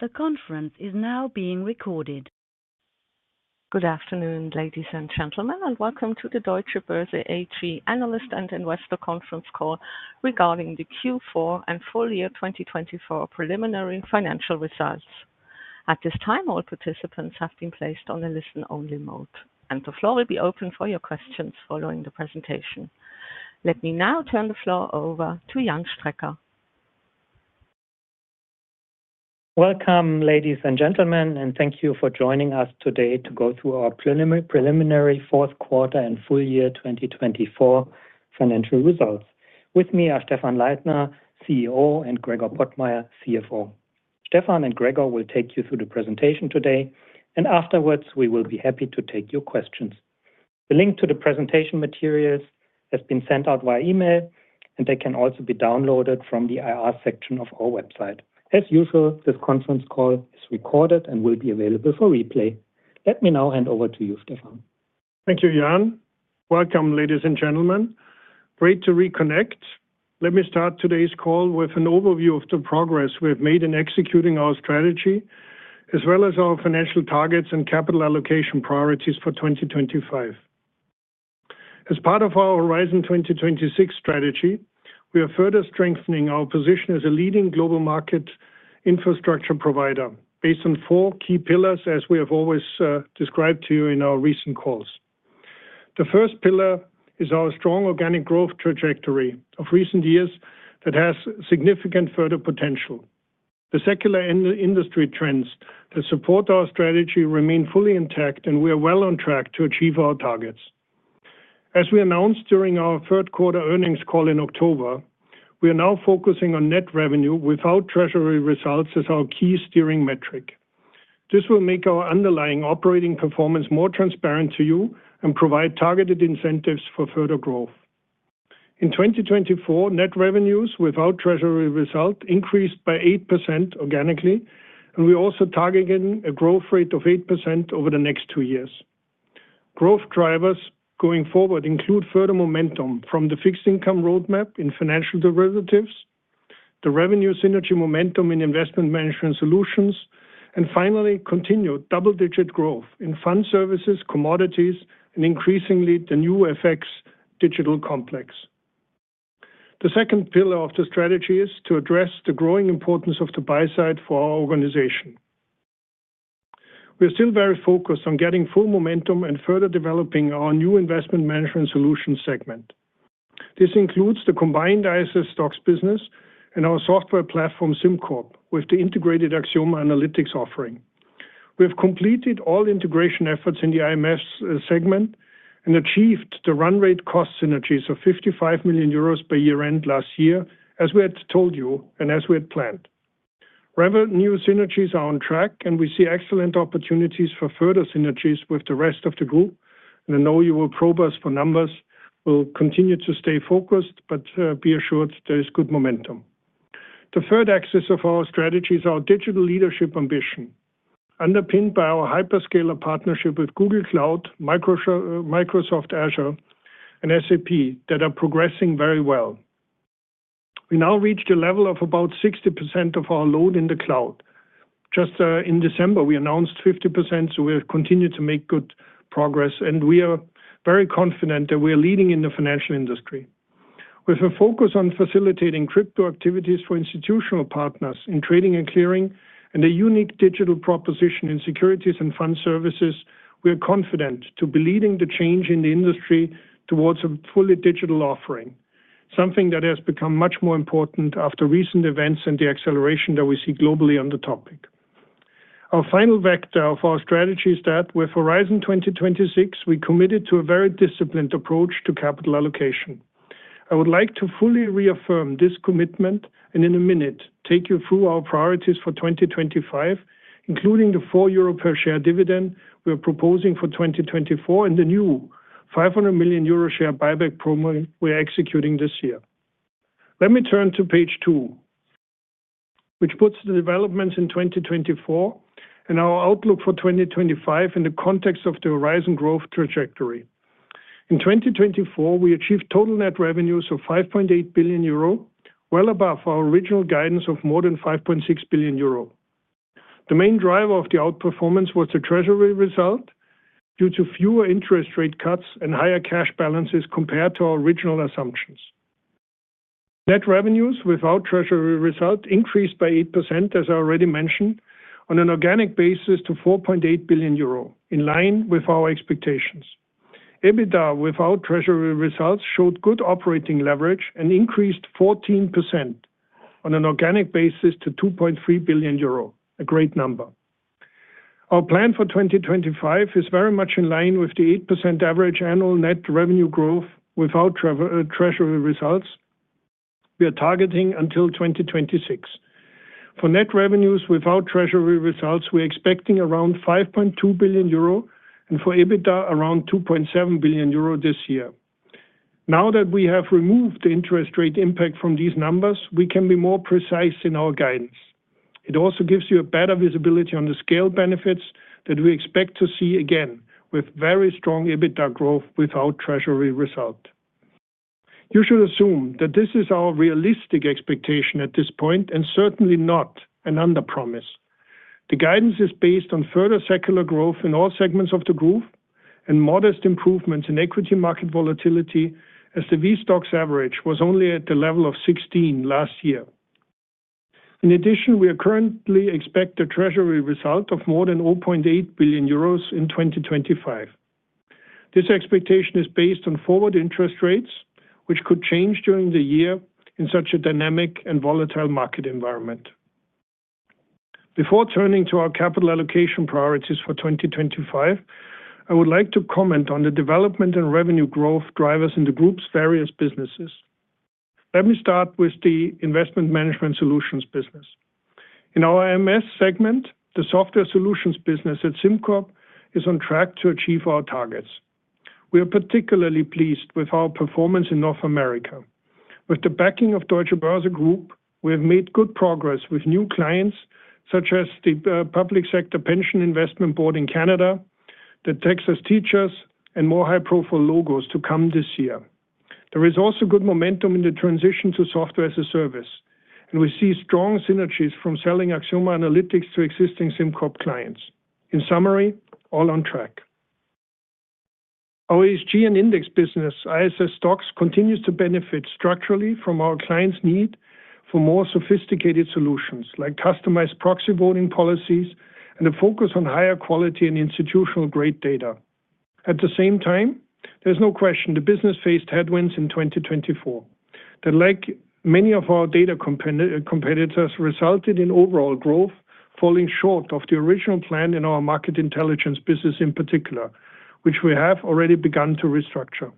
The conference is now being recorded. Good afternoon, ladies and gentlemen, and welcome to the Deutsche Börse Group Analyst and Investor Conference Call regarding the Q4 and full year 2024 preliminary financial results. At this time, all participants have been placed on a listen-only mode, and the floor will be open for your questions following the presentation. Let me now turn the floor over to Jan Strecker. Welcome, ladies and gentlemen, and thank you for joining us today to go through our preliminary fourth quarter and full year 2024 financial results. With me are Stephan Leithner, CEO, and Gregor Pottmeyer, CFO. Stephan and Gregor will take you through the presentation today, and afterwards we will be happy to take your questions. The link to the presentation materials has been sent out via email, and they can also be downloaded from the IR section of our website. As usual, this conference call is recorded and will be available for replay. Let me now hand over to you, Stephan. Thank you, Jan. Welcome, ladies and gentlemen. Great to reconnect. Let me start today's call with an overview of the progress we have made in executing our strategy, as well as our financial targets and capital allocation priorities for 2025. As part of our Horizon 2026 strategy, we are further strengthening our position as a leading global market infrastructure provider based on four key pillars, as we have always described to you in our recent calls. The first pillar is our strong organic growth trajectory of recent years that has significant further potential. The secular industry trends that support our strategy remain fully intact, and we are well on track to achieve our targets. As we announced during our third quarter earnings call in October, we are now focusing on net revenue without treasury results as our key steering metric. This will make our underlying operating performance more transparent to you and provide targeted incentives for further growth. In 2024, net revenues without treasury result increased by 8% organically, and we are also targeting a growth rate of 8% over the next two years. Growth drivers going forward include further momentum from the fixed income roadmap in financial derivatives, the revenue synergy momentum in investment management solutions, and finally continued double-digit growth in fund services, commodities, and increasingly the new FX digital complex. The second pillar of the strategy is to address the growing importance of the buy side for our organization. We are still very focused on getting full momentum and further developing our new investment management solution segment. This includes the combined ISS STOXX business and our software platform, SimCorp, with the integrated Axioma Analytics offering. We have completed all integration efforts in the IMS segment and achieved the run rate cost synergies of 55 million euros per year end last year, as we had told you and as we had planned. Revenue synergies are on track, and we see excellent opportunities for further synergies with the rest of the group. I know you will probe us for numbers. We'll continue to stay focused, but be assured there is good momentum. The third axis of our strategy is our digital leadership ambition, underpinned by our hyperscaler partnership with Google Cloud, Microsoft Azure, and SAP that are progressing very well. We now reached a level of about 60% of our load in the cloud. Just in December, we announced 50%, so we continue to make good progress, and we are very confident that we are leading in the financial industry. With a focus on facilitating crypto activities for institutional partners in trading and clearing, and a unique digital proposition in securities and fund services, we are confident to be leading the change in the industry towards a fully digital offering, something that has become much more important after recent events and the acceleration that we see globally on the topic. Our final vector of our strategy is that with Horizon 2026, we committed to a very disciplined approach to capital allocation. I would like to fully reaffirm this commitment and in a minute take you through our priorities for 2025, including the 4 euro per share dividend we are proposing for 2024 and the new 500 million euro share buyback program we are executing this year. Let me turn to page two, which puts the developments in 2024 and our outlook for 2025 in the context of the Horizon growth trajectory. In 2024, we achieved total net revenues of 5.8 billion euro, well above our original guidance of more than 5.6 billion euro. The main driver of the outperformance was the treasury result due to fewer interest rate cuts and higher cash balances compared to our original assumptions. Net revenues without treasury result increased by 8%, as I already mentioned, on an organic basis to 4.8 billion euro, in line with our expectations. EBITDA without treasury results showed good operating leverage and increased 14% on an organic basis to 2.3 billion euro, a great number. Our plan for 2025 is very much in line with the 8% average annual net revenue growth without treasury results we are targeting until 2026. For net revenues without treasury result, we are expecting around 5.2 billion euro and for EBITDA around 2.7 billion euro this year. Now that we have removed the interest rate impact from these numbers, we can be more precise in our guidance. It also gives you a better visibility on the scale benefits that we expect to see again with very strong EBITDA growth without treasury result. You should assume that this is our realistic expectation at this point and certainly not an underpromise. The guidance is based on further secular growth in all segments of the group and modest improvements in equity market volatility, as the VSTOXX average was only at the level of 16 last year. In addition, we are currently expecting a treasury result of more than 0.8 billion euros in 2025. This expectation is based on forward interest rates, which could change during the year in such a dynamic and volatile market environment. Before turning to our capital allocation priorities for 2025, I would like to comment on the development and revenue growth drivers in the group's various businesses. Let me start with the investment management solutions business. In our IMS segment, the software solutions business at SimCorp is on track to achieve our targets. We are particularly pleased with our performance in North America. With the backing of Deutsche Börse Group, we have made good progress with new clients such as the Public Sector Pension Investment Board in Canada, the Texas Teachers, and more high-profile logos to come this year. There is also good momentum in the transition to software as a service, and we see strong synergies from selling Axioma Analytics to existing SimCorp clients. In summary, all on track. Our ESG and index business, ISS STOXX, continues to benefit structurally from our clients' need for more sophisticated solutions like customized proxy voting policies and a focus on higher quality and institutional-grade data. At the same time, there is no question the business faced headwinds in 2024 that, like many of our data competitors, resulted in overall growth falling short of the original plan in our market intelligence business in particular, which we have already begun to restructure.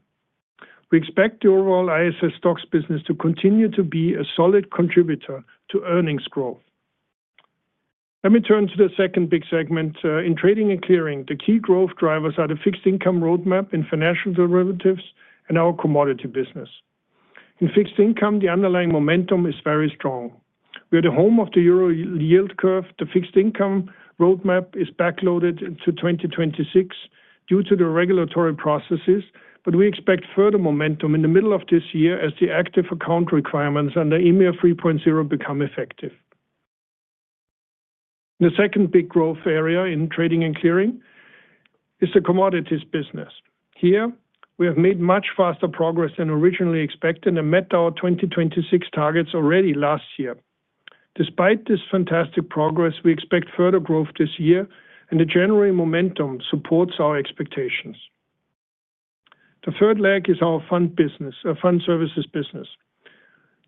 We expect the overall ISS STOXX business to continue to be a solid contributor to earnings growth. Let me turn to the second big segment. In trading and clearing, the key growth drivers are the fixed income roadmap in financial derivatives and our commodity business. In fixed income, the underlying momentum is very strong. We are the home of the euro yield curve. The fixed income roadmap is backloaded to 2026 due to the regulatory processes, but we expect further momentum in the middle of this year as the active account requirements under EMIR 3.0 become effective. The second big growth area in trading and clearing is the commodities business. Here, we have made much faster progress than originally expected and met our 2026 targets already last year. Despite this fantastic progress, we expect further growth this year, and the general momentum supports our expectations. The third leg is our fund business, a fund services business.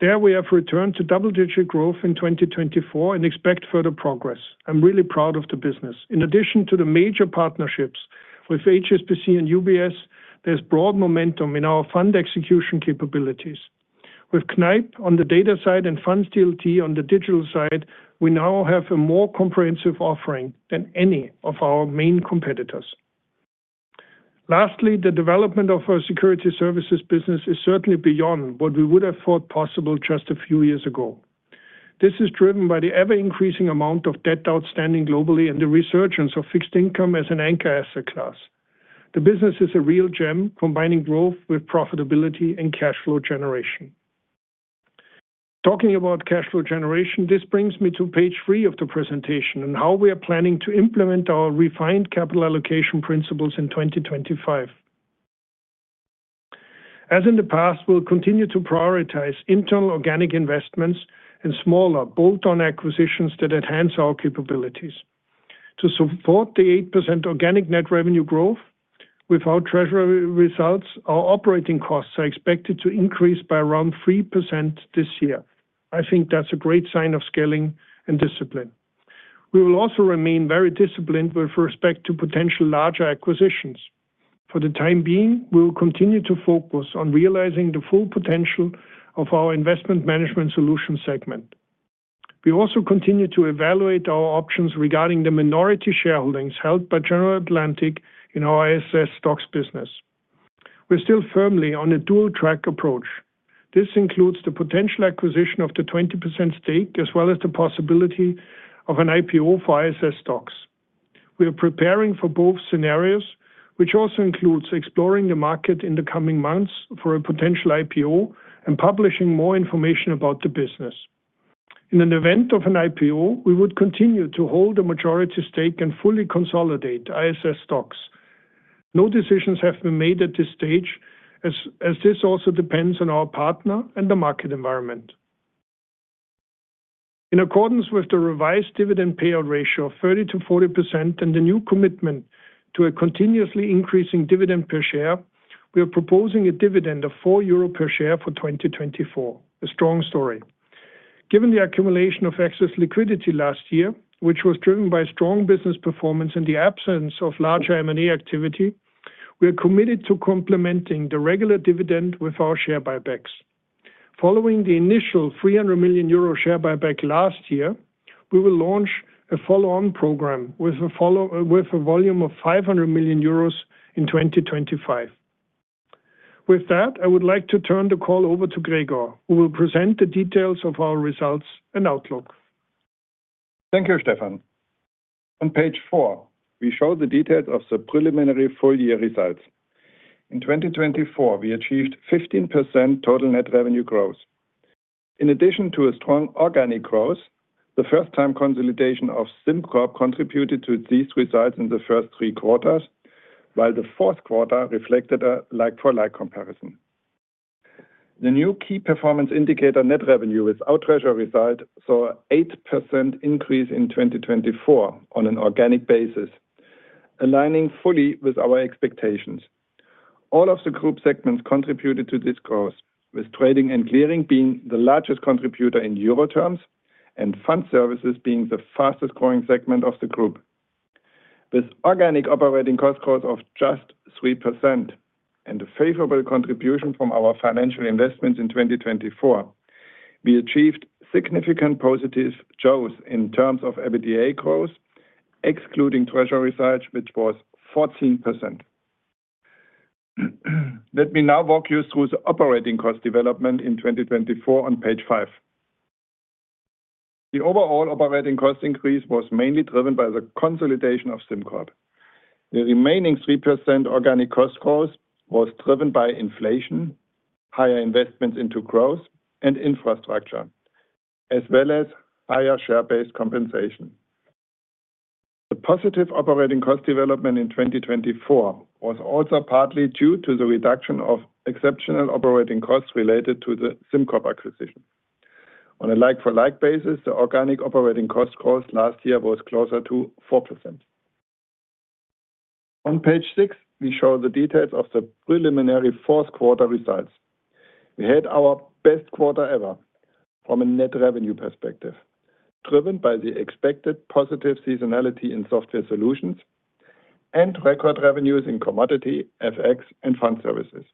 There we have returned to double-digit growth in 2024 and expect further progress. I'm really proud of the business. In addition to the major partnerships with HSBC and UBS, there's broad momentum in our fund execution capabilities. With Kneip on the data side and FundsDLT on the digital side, we now have a more comprehensive offering than any of our main competitors. Lastly, the development of our securities services business is certainly beyond what we would have thought possible just a few years ago. This is driven by the ever-increasing amount of debt outstanding globally and the resurgence of fixed income as an anchor asset class. The business is a real gem, combining growth with profitability and cash flow generation. Talking about cash flow generation, this brings me to page three of the presentation and how we are planning to implement our refined capital allocation principles in 2025. As in the past, we'll continue to prioritize internal organic investments and smaller bolt-on acquisitions that enhance our capabilities. To support the 8% organic net revenue growth with our treasury results, our operating costs are expected to increase by around 3% this year. I think that's a great sign of scaling and discipline. We will also remain very disciplined with respect to potential larger acquisitions. For the time being, we will continue to focus on realizing the full potential of our investment management solution segment. We also continue to evaluate our options regarding the minority shareholdings held by General Atlantic in our ISS STOXX business. We're still firmly on a dual-track approach. This includes the potential acquisition of the 20% stake as well as the possibility of an IPO for ISS STOXX. We are preparing for both scenarios, which also includes exploring the market in the coming months for a potential IPO and publishing more information about the business. In the event of an IPO, we would continue to hold a majority stake and fully consolidate ISS STOXX. No decisions have been made at this stage, as this also depends on our partner and the market environment. In accordance with the revised dividend payout ratio of 30%-40% and the new commitment to a continuously increasing dividend per share, we are proposing a dividend of 4 euro per share for 2024, a strong story. Given the accumulation of excess liquidity last year, which was driven by strong business performance and the absence of larger M&A activity, we are committed to complementing the regular dividend with our share buybacks. Following the initial 300 million euro share buyback last year, we will launch a follow-on program with a volume of 500 million euros in 2025. With that, I would like to turn the call over to Gregor, who will present the details of our results and outlook. Thank you, Stephan. On page four, we show the details of the preliminary full year results. In 2024, we achieved 15% total net revenue growth. In addition to a strong organic growth, the first-time consolidation of SimCorp contributed to these results in the first three quarters, while the fourth quarter reflected a like-for-like comparison. The new key performance indicator net revenue without treasury result saw an 8% increase in 2024 on an organic basis, aligning fully with our expectations. All of the group segments contributed to this growth, with trading and clearing being the largest contributor in euro terms and fund services being the fastest growing segment of the group. With organic operating cost growth of just 3% and a favorable contribution from our financial investments in 2024, we achieved significant positive growth in terms of EBITDA growth, excluding treasury results, which was 14%. Let me now walk you through the operating cost development in 2024 on page five. The overall operating cost increase was mainly driven by the consolidation of SimCorp. The remaining 3% organic cost growth was driven by inflation, higher investments into growth and infrastructure, as well as higher share-based compensation. The positive operating cost development in 2024 was also partly due to the reduction of exceptional operating costs related to the SimCorp acquisition. On a like-for-like basis, the organic operating cost growth last year was closer to 4%. On page six, we show the details of the preliminary fourth quarter results. We had our best quarter ever from a net revenue perspective, driven by the expected positive seasonality in software solutions and record revenues in commodity, FX, and fund services.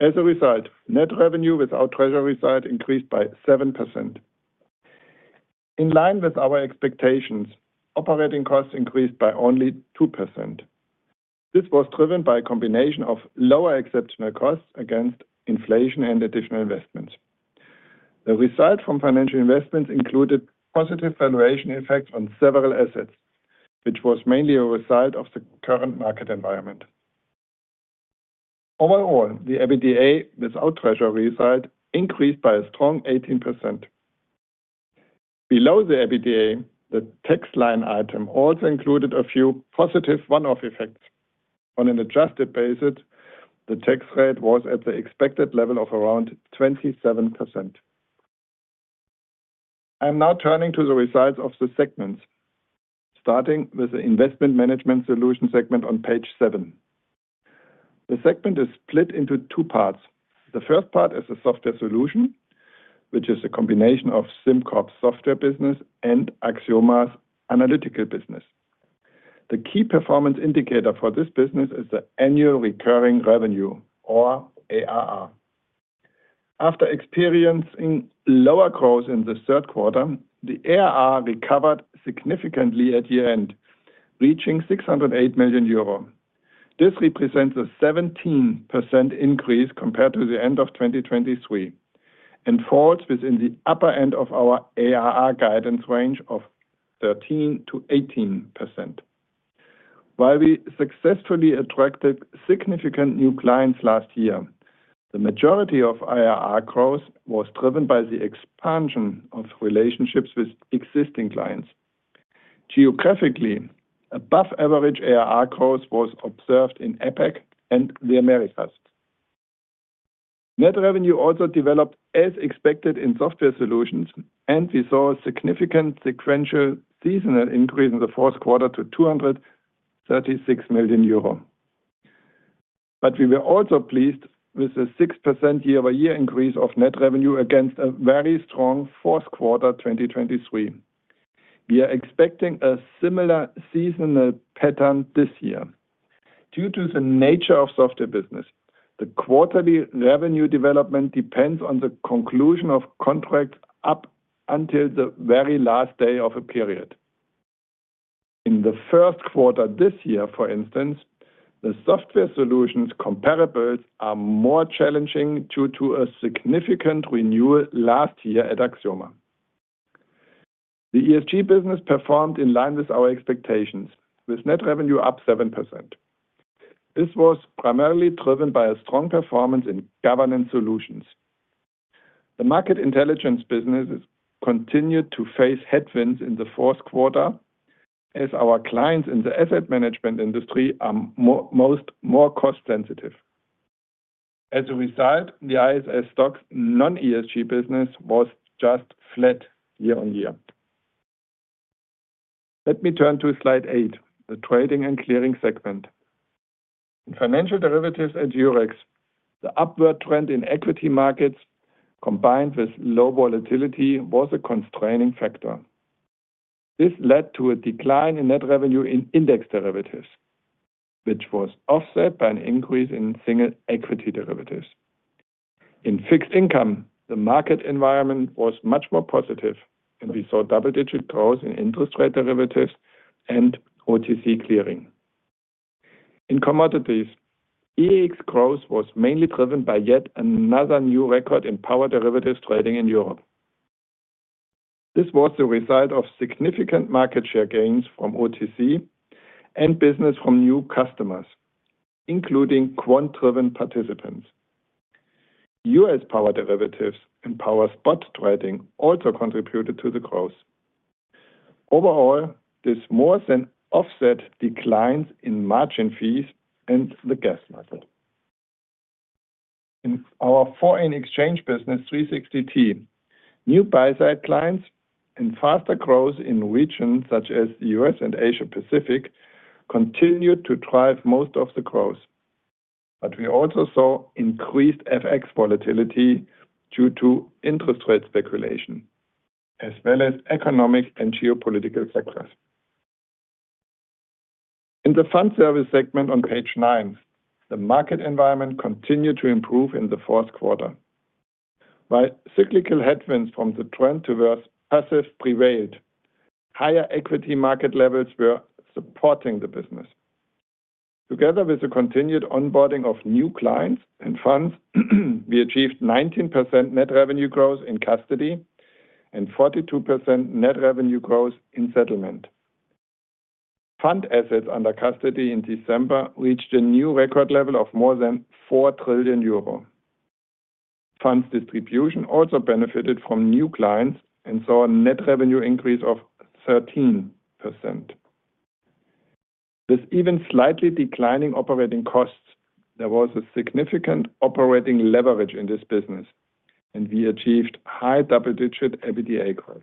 As a result, net revenue with our treasury result increased by 7%. In line with our expectations, operating costs increased by only 2%. This was driven by a combination of lower exceptional costs against inflation and additional investments. The result from financial investments included positive valuation effects on several assets, which was mainly a result of the current market environment. Overall, the EBITDA with our treasury result increased by a strong 18%. Below the EBITDA, the tax line item also included a few positive one-off effects. On an adjusted basis, the tax rate was at the expected level of around 27%. I am now turning to the results of the segments, starting with the investment management solution segment on page seven. The segment is split into two parts. The first part is the software solution, which is a combination of SimCorp's software business and Axioma's analytical business. The key performance indicator for this business is the annual recurring revenue, or ARR. After experiencing lower growth in the third quarter, the ARR recovered significantly at year-end, reaching 608 million euro. This represents a 17% increase compared to the end of 2023 and falls within the upper end of our ARR guidance range of 13%-18%. While we successfully attracted significant new clients last year, the majority of ARR growth was driven by the expansion of relationships with existing clients. Geographically, above-average ARR growth was observed in EEX and the Americas. Net revenue also developed as expected in software solutions, and we saw a significant sequential seasonal increase in the fourth quarter to 236 million euro. But we were also pleased with the 6% year-over-year increase of net revenue against a very strong fourth quarter 2023. We are expecting a similar seasonal pattern this year. Due to the nature of software business, the quarterly revenue development depends on the conclusion of contracts up until the very last day of a period. In the first quarter this year, for instance, the software solutions comparables are more challenging due to a significant renewal last year at Axioma. The ESG business performed in line with our expectations, with net revenue up 7%. This was primarily driven by a strong performance in governance solutions. The market intelligence business continued to face headwinds in the fourth quarter, as our clients in the asset management industry are more cost-sensitive. As a result, the ISS STOXX non-ESG business was just flat year-on-year. Let me turn to slide eight, the trading and clearing segment. In financial derivatives and Eurex, the upward trend in equity markets combined with low volatility was a constraining factor. This led to a decline in net revenue in index derivatives, which was offset by an increase in single equity derivatives. In fixed income, the market environment was much more positive, and we saw double-digit growth in interest rate derivatives and OTC clearing. In commodities, EEX growth was mainly driven by yet another new record in power derivatives trading in Europe. This was the result of significant market share gains from OTC and business from new customers, including quant-driven participants. U.S. power derivatives and power spot trading also contributed to the growth. Overall, this more than offset declines in margin fees and the gas market. In our foreign exchange business, 360T, new buy side clients and faster growth in regions such as the U.S. and Asia-Pacific continued to drive most of the growth. But we also saw increased FX volatility due to interest rate speculation, as well as economic and geopolitical factors. In the fund service segment on page nine, the market environment continued to improve in the fourth quarter. While cyclical headwinds from the trend towards passive prevailed, higher equity market levels were supporting the business. Together with the continued onboarding of new clients and funds, we achieved 19% net revenue growth in custody and 42% net revenue growth in settlement. Fund assets under custody in December reached a new record level of more than 4 trillion euro. Funds distribution also benefited from new clients and saw a net revenue increase of 13%. With even slightly declining operating costs, there was a significant operating leverage in this business, and we achieved high double-digit EBITDA growth.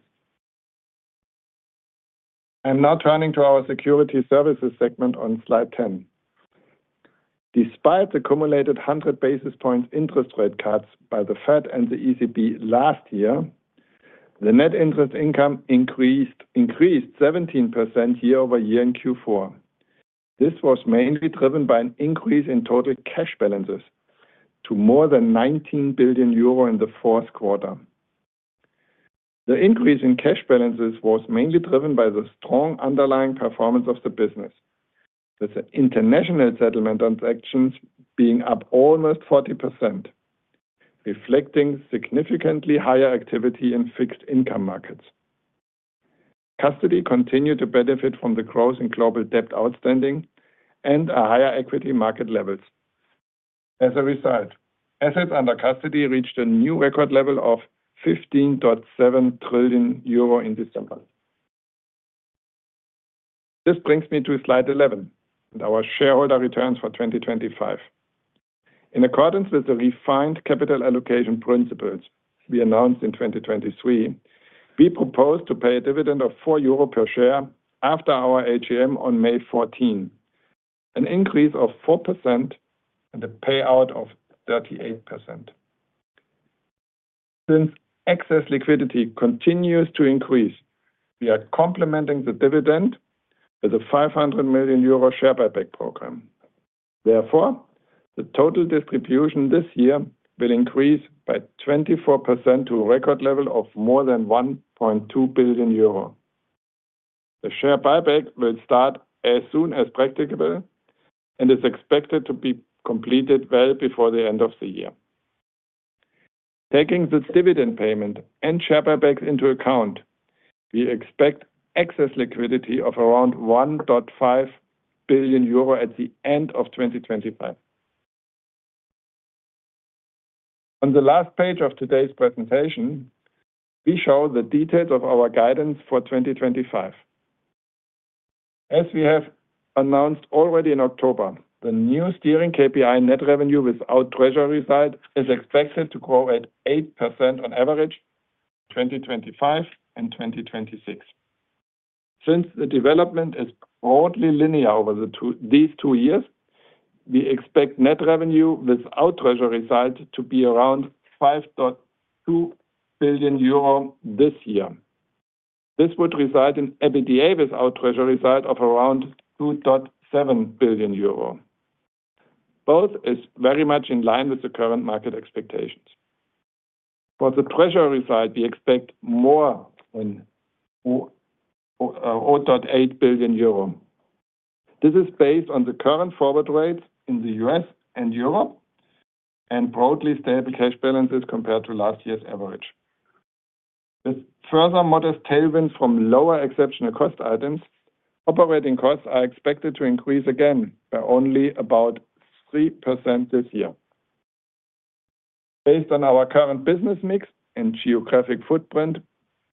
I am now turning to our Security Services segment on slide 10. Despite the cumulated 100 basis points interest rate cuts by the Fed and the ECB last year, the net interest income increased 17% year-over-year in Q4. This was mainly driven by an increase in total cash balances to more than 19 billion euro in the fourth quarter. The increase in cash balances was mainly driven by the strong underlying performance of the business, with international settlement transactions being up almost 40%, reflecting significantly higher activity in fixed income markets. Custody continued to benefit from the growth in global debt outstanding and higher equity market levels. As a result, assets under custody reached a new record level of 15.7 trillion euro in December. This brings me to slide 11 and our shareholder returns for 2025. In accordance with the refined capital allocation principles we announced in 2023, we proposed to pay a dividend of 4 euro per share after our AGM on May 14, an increase of four% and a payout of 38%. Since excess liquidity continues to increase, we are complementing the dividend with a 500 million euro share buyback program. Therefore, the total distribution this year will increase by 24% to a record level of more than 1.2 billion euro. The share buyback will start as soon as practicable and is expected to be completed well before the end of the year. Taking the dividend payment and share buybacks into account, we expect excess liquidity of around 1.5 billion euro at the end of 2025. On the last page of today's presentation, we show the details of our guidance for 2025. As we have announced already in October, the new steering KPI net revenue without treasury side is expected to grow at 8% on average in 2025 and 2026. Since the development is broadly linear over these two years, we expect net revenue without treasury side to be around 5.2 billion euro this year. This would result in EBITDA without treasury side of around 2.7 billion euro. Both is very much in line with the current market expectations. For the treasury side, we expect more than 0.8 billion euro. This is based on the current forward rates in the U.S. and Europe and broadly stable cash balances compared to last year's average. With further modest tailwinds from lower exceptional cost items, operating costs are expected to increase again by only about 3% this year. Based on our current business mix and geographic footprint,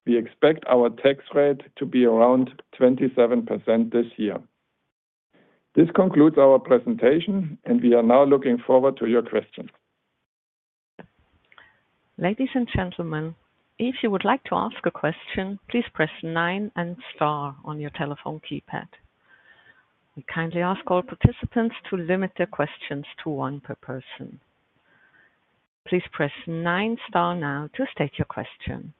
we expect our tax rate to be around 27% this year. This concludes our presentation, and we are now looking forward to your questions. Ladies and gentlemen, if you would like to ask a question, please press nine and star on your telephone keypad. We kindly ask all participants to limit their questions to one per person. Please press nine star now to state your question.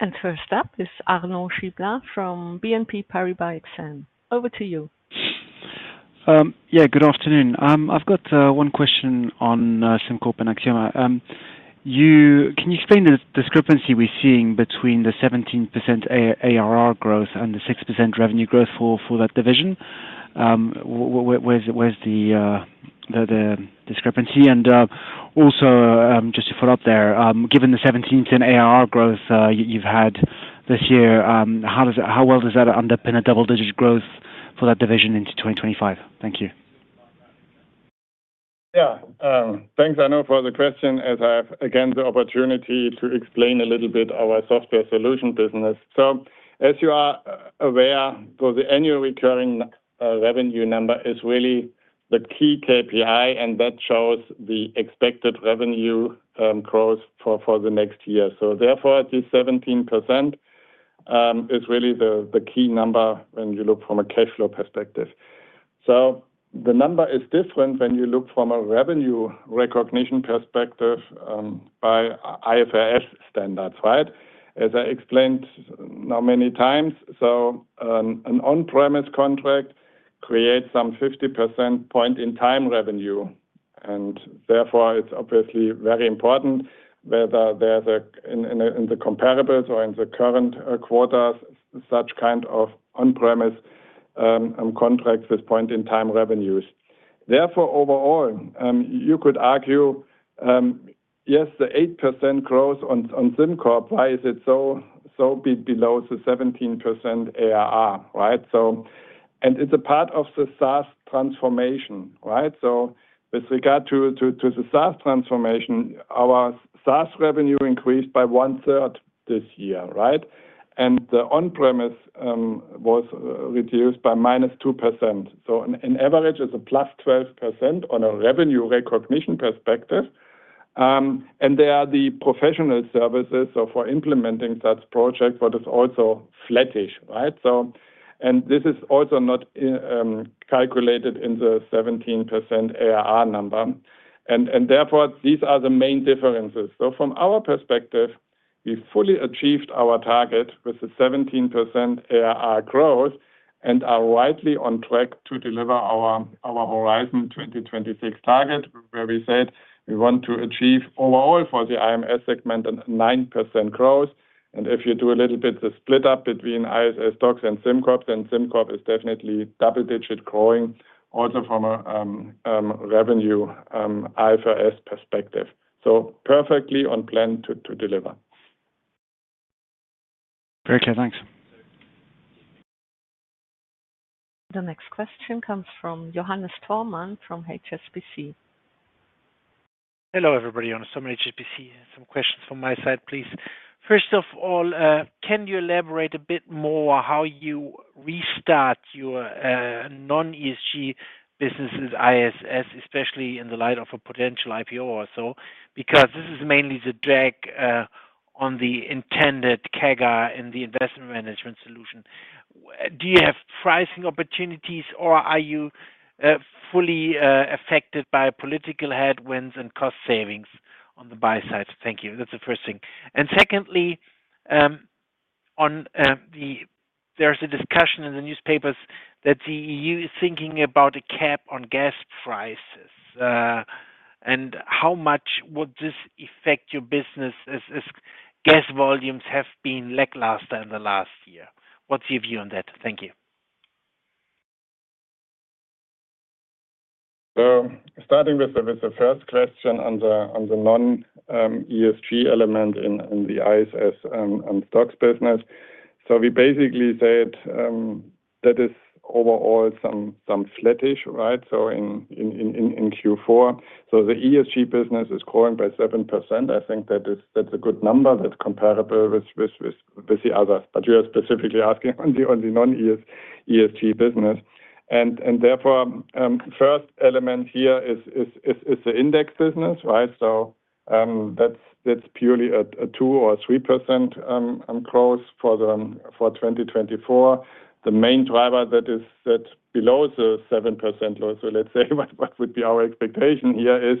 And first up is Arnaud Giblat from BNP Paribas Exane. Over to you. Yeah, good afternoon. I've got one question on SimCorp and Axioma. Can you explain the discrepancy we're seeing between the 17% ARR growth and the 6% revenue growth for that division? Where's the discrepancy? And also, just to follow up there, given the 17% ARR growth you've had this year, how well does that underpin a double-digit growth for that division into 2025? Thank you. Yeah, thanks, Arnaud, for the question, as I have again the opportunity to explain a little bit our software solution business. So, as you are aware, the annual recurring revenue number is really the key KPI, and that shows the expected revenue growth for the next year. So, therefore, this 17% is really the key number when you look from a cash flow perspective. So, the number is different when you look from a revenue recognition perspective by IFRS standards, right? As I explained now many times, so an on-premise contract creates some 50% point-in-time revenue, and therefore, it's obviously very important whether there's a, in the comparables or in the current quarters, such kind of on-premise contracts with point-in-time revenues. Therefore, overall, you could argue, yes, the 8% growth on SimCorp, why is it so below the 17% ARR, right? So, and it's a part of the SaaS transformation, right? So, with regard to the SaaS transformation, our SaaS revenue increased by one-third this year, right? And the on-premise was reduced by minus 2%. So, on average, it's a plus 12% on a revenue recognition perspective. And there are the professional services, so for implementing such projects, but it's also flattish, right? So, and this is also not calculated in the 17% ARR number. And therefore, these are the main differences. So, from our perspective, we fully achieved our target with the 17% ARR growth and are rightly on track to deliver our Horizon 2026 target, where we said we want to achieve overall for the IMS segment a 9% growth. And if you do a little bit of the split up between ISS STOXX and SimCorp's, then SimCorp is definitely double-digit growing also from a revenue IFRS perspective. So, perfectly on plan to deliver. Very clear, thanks. The next question comes from Johannes Thormann from HSBC. Hello, everybody. I'm Johannes from HSBC. Some questions from my side, please. First of all, can you elaborate a bit more how you restart your non-ESG business with ISS, especially in the light of a potential IPO or so? Because this is mainly the drag on the intended CAGR in the investment management solution. Do you have pricing opportunities, or are you fully affected by political headwinds and cost savings on the buy side? Thank you. That's the first thing. And secondly, there's a discussion in the newspapers that the EU is thinking about a cap on gas prices. And how much would this affect your business as gas volumes have been lackluster in the last year? What's your view on that? Thank you. Starting with the first question on the non-ESG element in the ISS and STOXX business. So, we basically said that is overall some flattish, right? So, in Q4, the ESG business is growing by 7%. I think that's a good number that's comparable with the others. But you're specifically asking on the non-ESG business. And therefore, the first element here is the index business, right? So, that's purely a 2% or 3% growth for 2024. The main driver that is below the 7% low, so let's say what would be our expectation here is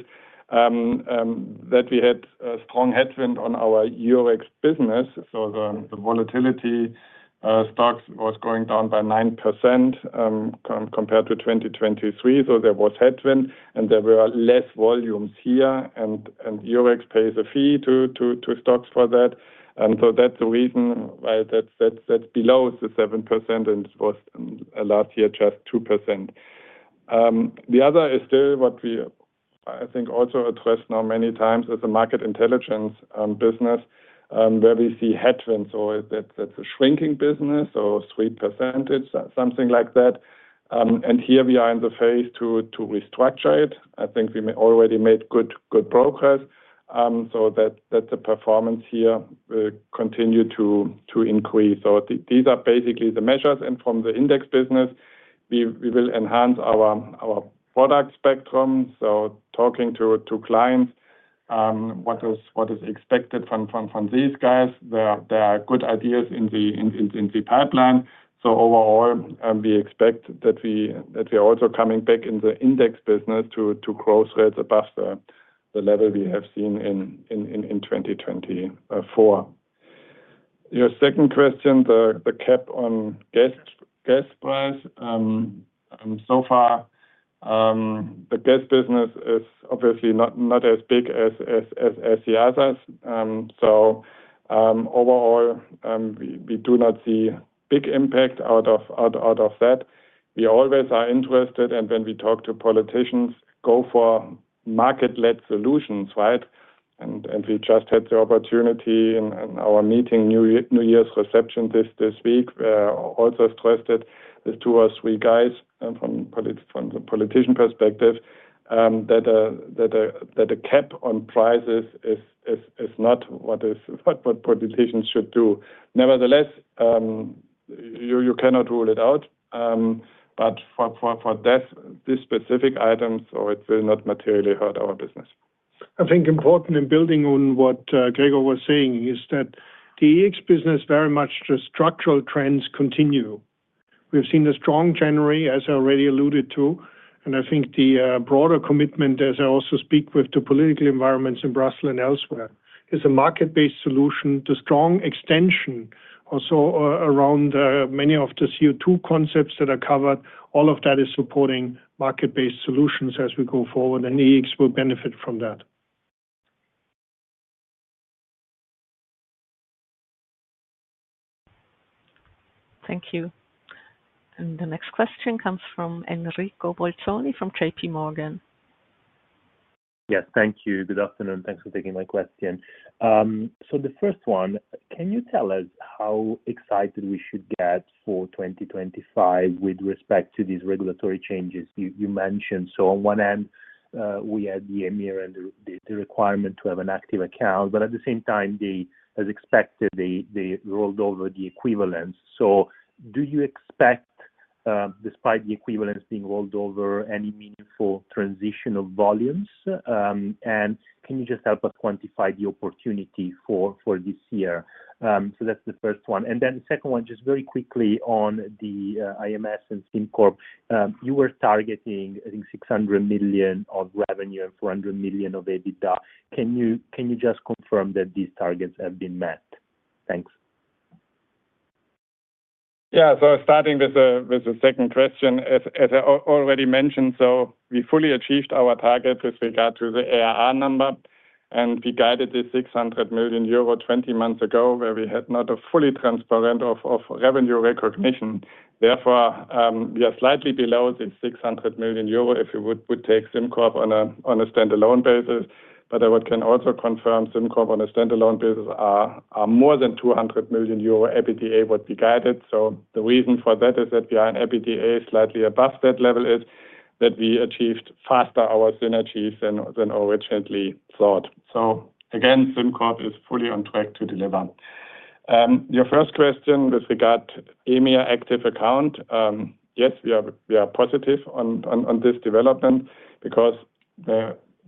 that we had a strong headwind on our Eurex business. So, the VSTOXX was going down by 9% compared to 2023. So, there was headwind, and there were less volumes here, and Eurex pays a fee to STOXX for that. And so, that's the reason why that's below the 7%, and it was last year just 2%. The other is still what we, I think, also addressed now many times as a market intelligence business, where we see headwinds. So, that's a shrinking business, so 3%, something like that. And here, we are in the phase to restructure it. I think we already made good progress. So, that's a performance here will continue to increase. So, these are basically the measures. And from the index business, we will enhance our product spectrum. So, talking to clients, what is expected from these guys, there are good ideas in the pipeline. So, overall, we expect that we are also coming back in the index business to growth rates above the level we have seen in 2024. Your second question, the cap on gas price. So far, the gas business is obviously not as big as the others. Overall, we do not see a big impact out of that. We always are interested, and when we talk to politicians, go for market-led solutions, right? We just had the opportunity in our meeting, New Year's reception this week, where I also stressed it to our three guys from the politician perspective, that a cap on prices is not what politicians should do. Nevertheless, you cannot rule it out. But for these specific items, it will not materially hurt our business. I think important in building on what Gregor was saying is that the EEX business very much the structural trends continue. We've seen a strong January, as I already alluded to. I think the broader commitment, as I also speak with the political environments in Brussels and elsewhere, is a market-based solution. The strong extension also around many of the CO2 concepts that are covered, all of that is supporting market-based solutions as we go forward, and EEX will benefit from that. Thank you. And the next question comes from Enrico Bolzoni from JPMorgan. Yes, thank you. Good afternoon. Thanks for taking my question. So, the first one, can you tell us how excited we should get for 2025 with respect to these regulatory changes you mentioned? So, on one end, we had the requirement to have an active account, but at the same time, as expected, they rolled over the equivalence. So, do you expect, despite the equivalence being rolled over, any meaningful transition of volumes? And can you just help us quantify the opportunity for this year? So, that's the first one. And then the second one, just very quickly on the ISS and SimCorp, you were targeting, I think, 600 million of revenue and 400 million of EBITDA. Can you just confirm that these targets have been met? Thanks. Yeah, so starting with the second question, as I already mentioned, so we fully achieved our target with regard to the ARR number, and we guided the 600 million euro 20 months ago, where we had not a fully transparent revenue recognition. Therefore, we are slightly below the 600 million euro if we would take SimCorp on a standalone basis. But I can also confirm SimCorp on a standalone basis are more than 200 million euro EBITDA would be guided. So, the reason for that is that we are in EBITDA slightly above that level is that we achieved faster our synergies than originally thought. So, again, SimCorp is fully on track to deliver. Your first question with regard to EMIR active account, yes, we are positive on this development because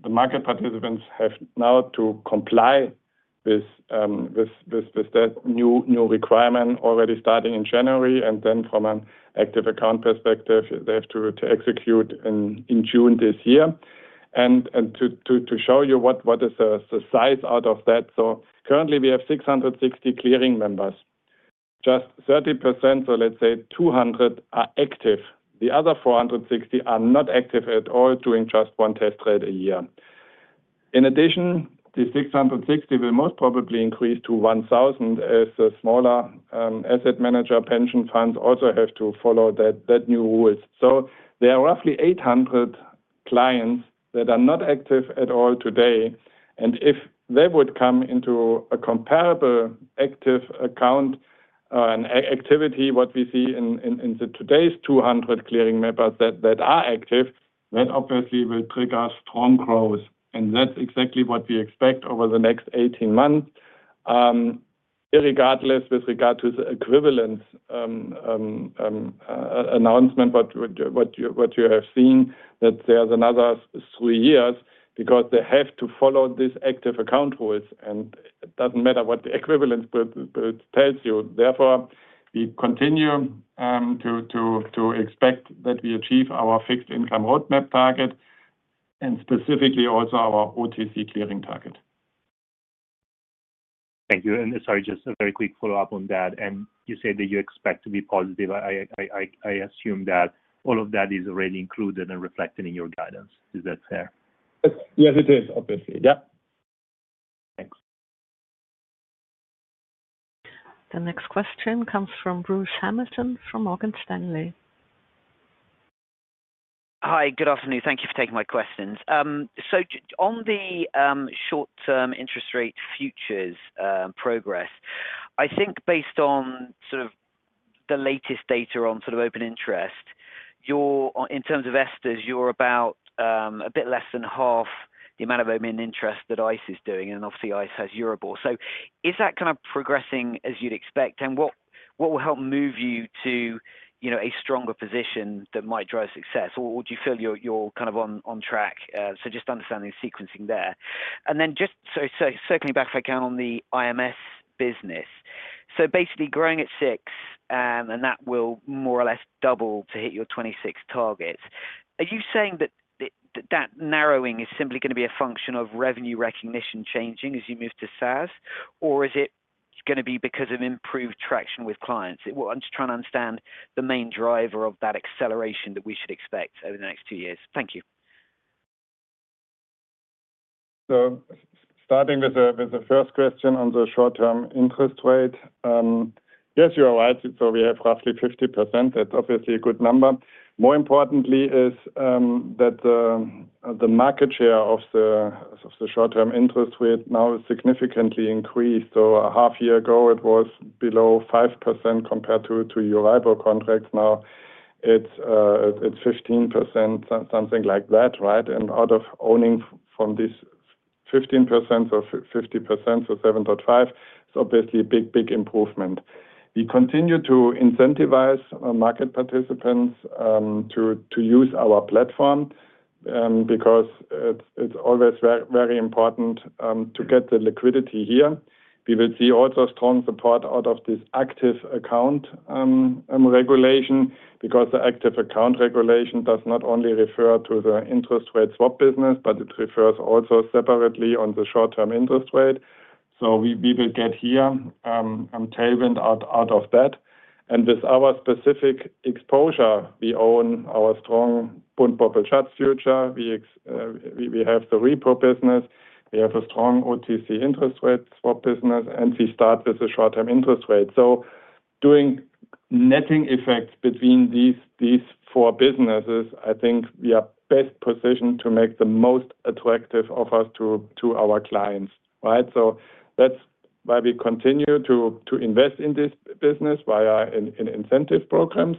the market participants have now to comply with that new requirement already starting in January, and then from an active account perspective, they have to execute in June this year. And to show you what is the size out of that, so currently, we have 660 clearing members. Just 30%, so let's say 200 are active. The other 460 are not active at all, doing just one test rate a year. In addition, the 660 will most probably increase to 1,000 as the smaller asset manager pension funds also have to follow that new rules. So, there are roughly 800 clients that are not active at all today. And if they would come into a comparable active account, an activity, what we see in today's 200 clearing members that are active, that obviously will trigger strong growth. And that's exactly what we expect over the next 18 months. Irregardless with regard to the equivalence announcement, what you have seen, that there's another three years because they have to follow these active account rules. And it doesn't matter what the equivalence tells you. Therefore, we continue to expect that we achieve our fixed income roadmap target and specifically also our OTC clearing target. Thank you. And sorry, just a very quick follow-up on that. And you said that you expect to be positive. I assume that all of that is already included and reflected in your guidance. Is that fair? Yes, it is, obviously. Yeah. Thanks. The next question comes from Bruce Hamilton from Morgan Stanley. Hi, good afternoon. Thank you for taking my questions. So, on the short-term interest rate futures progress, I think based on sort of the latest data on sort of open interest, in terms €STR, you're about a bit less than half the amount of open interest that ICE is doing, and obviously, ICE has Euribor. So, is that kind of progressing as you'd expect? And what will help move you to a stronger position that might drive success? Or do you feel you're kind of on track? So, just understanding the sequencing there. And then just circling back to the ISS business. So, basically, growing at 6%, and that will more or less double to hit your 2026 targets. Are you saying that that narrowing is simply going to be a function of revenue recognition changing as you move to SaaS, or is it going to be because of improved traction with clients? I'm just trying to understand the main driver of that acceleration that we should expect over the next two years. Thank you. Starting with the first question on the short-term interest rate, yes, you are right. We have roughly 50%. That's obviously a good number. More importantly, that the market share of the short-term interest rate now has significantly increased. A half year ago, it was below 5% compared to Euribor contracts. Now, it's 15%, something like that, right? And out of that 15%, we own 50%, so 7.5%. It's obviously a big, big improvement. We continue to incentivize market participants to use our platform because it's always very important to get the liquidity here. We will see also strong support out of this active account regulation because the active account regulation does not only refer to the interest rate swap business, but it refers also separately on the short-term interest rate. So, we will get here a tailwind out of that. And with our specific exposure, we own our strong Bund-Bobl-Schatz futures. We have the repo business. We have a strong OTC interest rate swap business, and we start with the short-term interest rate. So, doing netting effects between these four businesses, I think we are best positioned to make the most attractive offers to our clients, right? So, that's why we continue to invest in this business via incentive programs,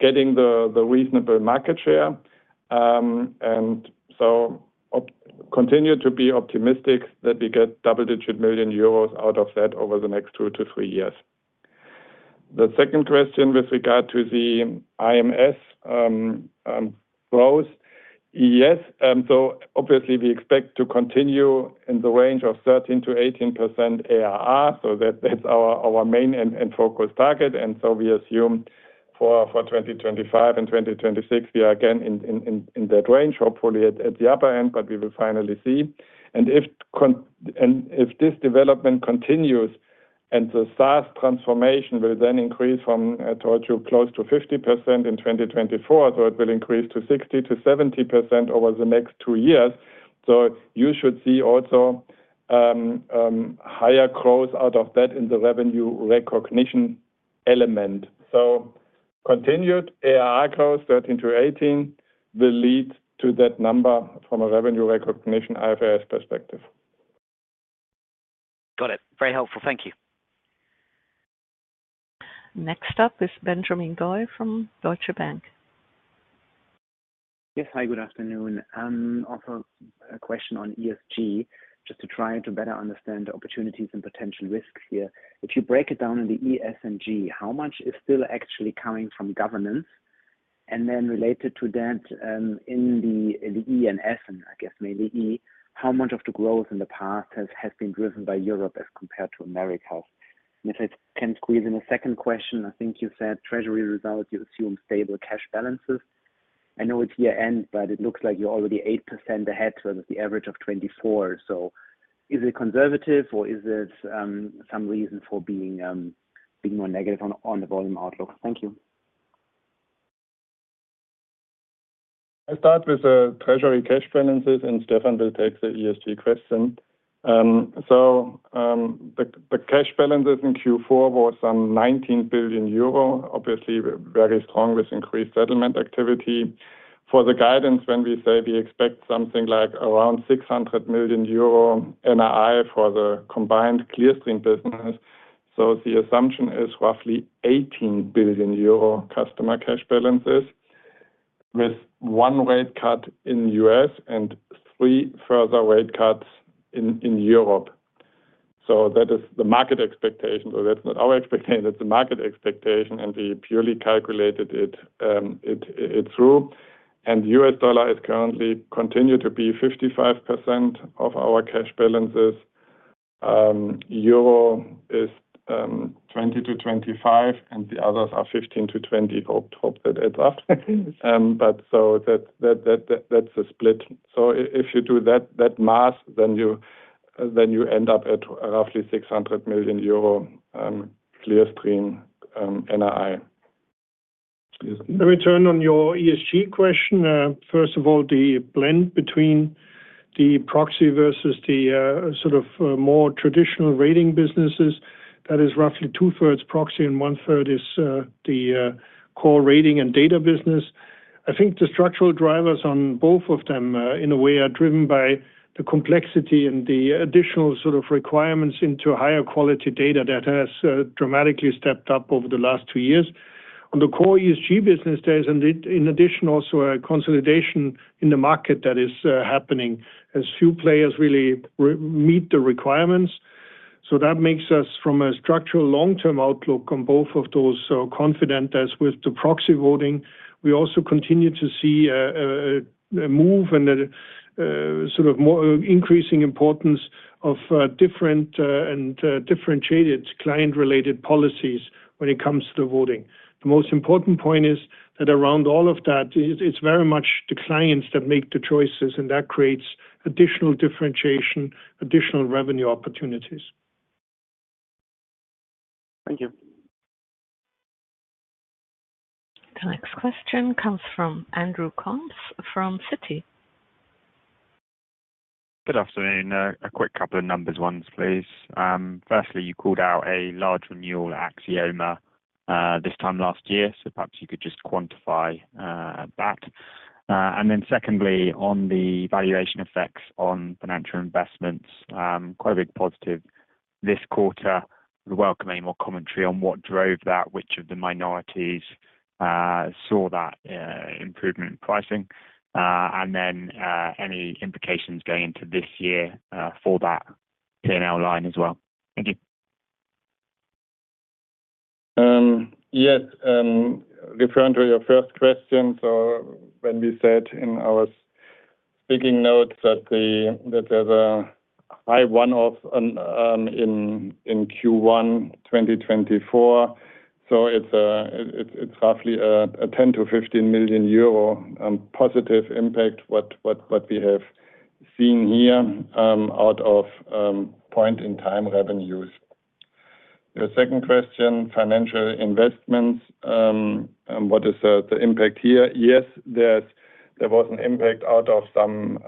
getting the reasonable market share. And so, we continue to be optimistic that we get double-digit million EUR out of that over the next two to three years. The second question with regard to the IMS growth, yes. So, obviously, we expect to continue in the range of 13%-18% ARR. So, that's our main and focus target. And so, we assume for 2025 and 2026, we are again in that range, hopefully at the upper end, but we will finally see. And if this development continues and the SaaS transformation will then increase from close to 50% in 2024, so it will increase to 60%-70% over the next two years. So, you should see also higher growth out of that in the revenue recognition element. So, continued ARR growth, 13%-18%, will lead to that number from a revenue recognition IFRS perspective. Got it. Very helpful. Thank you. Next up is Benjamin Goy from Deutsche Bank. Yes, hi, good afternoon. Also, a question on ESG, just to try to better understand the opportunities and potential risks here. If you break it down in the E, S, and G, how much is still actually coming from governance? And then related to that, in the E and S, and I guess mainly E, how much of the growth in the past has been driven by Europe as compared to America? And if I can squeeze in a second question, I think you said Treasury results, you assume stable cash balances. I know it's year-end, but it looks like you're already 8% ahead with the average of 24%. So, is it conservative, or is it some reason for being more negative on the volume outlook? Thank you. I'll start with Treasury cash balances, and Stephan will take the ESG question. The cash balances in Q4 were some 19 billion euro, obviously very strong with increased settlement activity. For the guidance, when we say we expect something like around 600 million euro NRI for the combined Clearstream business, the assumption is roughly 18 billion euro customer cash balances with one rate cut in the U.S. and three further rate cuts in Europe. That is the market expectation. That's not our expectation. That's the market expectation, and we purely calculated it through. The U.S. dollar is currently continued to be 55% of our cash balances. Euro is 20%-25%, and the others are 15%-20%. Hope that adds up. That's the split. If you do that math, then you end up at roughly 600 million euro Clearstream NRI. Let me turn to your ESG question. First of all, the blend between the proxy versus the sort of more traditional rating businesses, that is roughly two-thirds proxy and one-third is the core rating and data business. I think the structural drivers on both of them, in a way, are driven by the complexity and the additional sort of requirements into higher quality data that has dramatically stepped up over the last two years. On the core ESG business, there is, in addition, also a consolidation in the market that is happening as few players really meet the requirements. So, that makes us, from a structural long-term outlook on both of those, confident as with the proxy voting. We also continue to see a move and a sort of increasing importance of different and differentiated client-related policies when it comes to the voting. The most important point is that around all of that, it's very much the clients that make the choices, and that creates additional differentiation, additional revenue opportunities. Thank you. The next question comes from Andrew Coombs from Citi. Good afternoon. A quick couple of numbers ones, please. Firstly, you called out a large renewal at Axioma this time last year, so perhaps you could just quantify that. And then secondly, on the valuation effects on financial investments, quite a big positive this quarter. We're welcoming more commentary on what drove that, which of the minorities saw that improvement in pricing, and then any implications going into this year for that P&L line as well. Thank you. Yes, referring to your first question, so when we said in our speaking notes that there's a high one-off in Q1 2024, so it's roughly a 10 million-15 million euro positive impact what we have seen here out of point-in-time revenues. Your second question, financial investments, what is the impact here? Yes, there was an impact out of some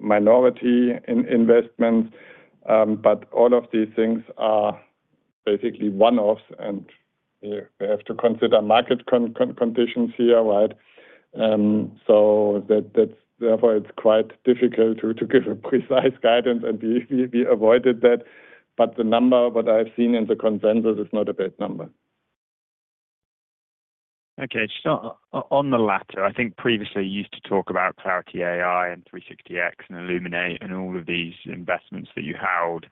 minority investments, but all of these things are basically one-offs, and we have to consider market conditions here, right? So therefore, it's quite difficult to give precise guidance, and we avoided that. But the number, what I've seen in the consensus, is not a bad number. Okay. On the latter, I think previously you used to talk about Clarity AI and 360X and Illuminate and all of these investments that you held.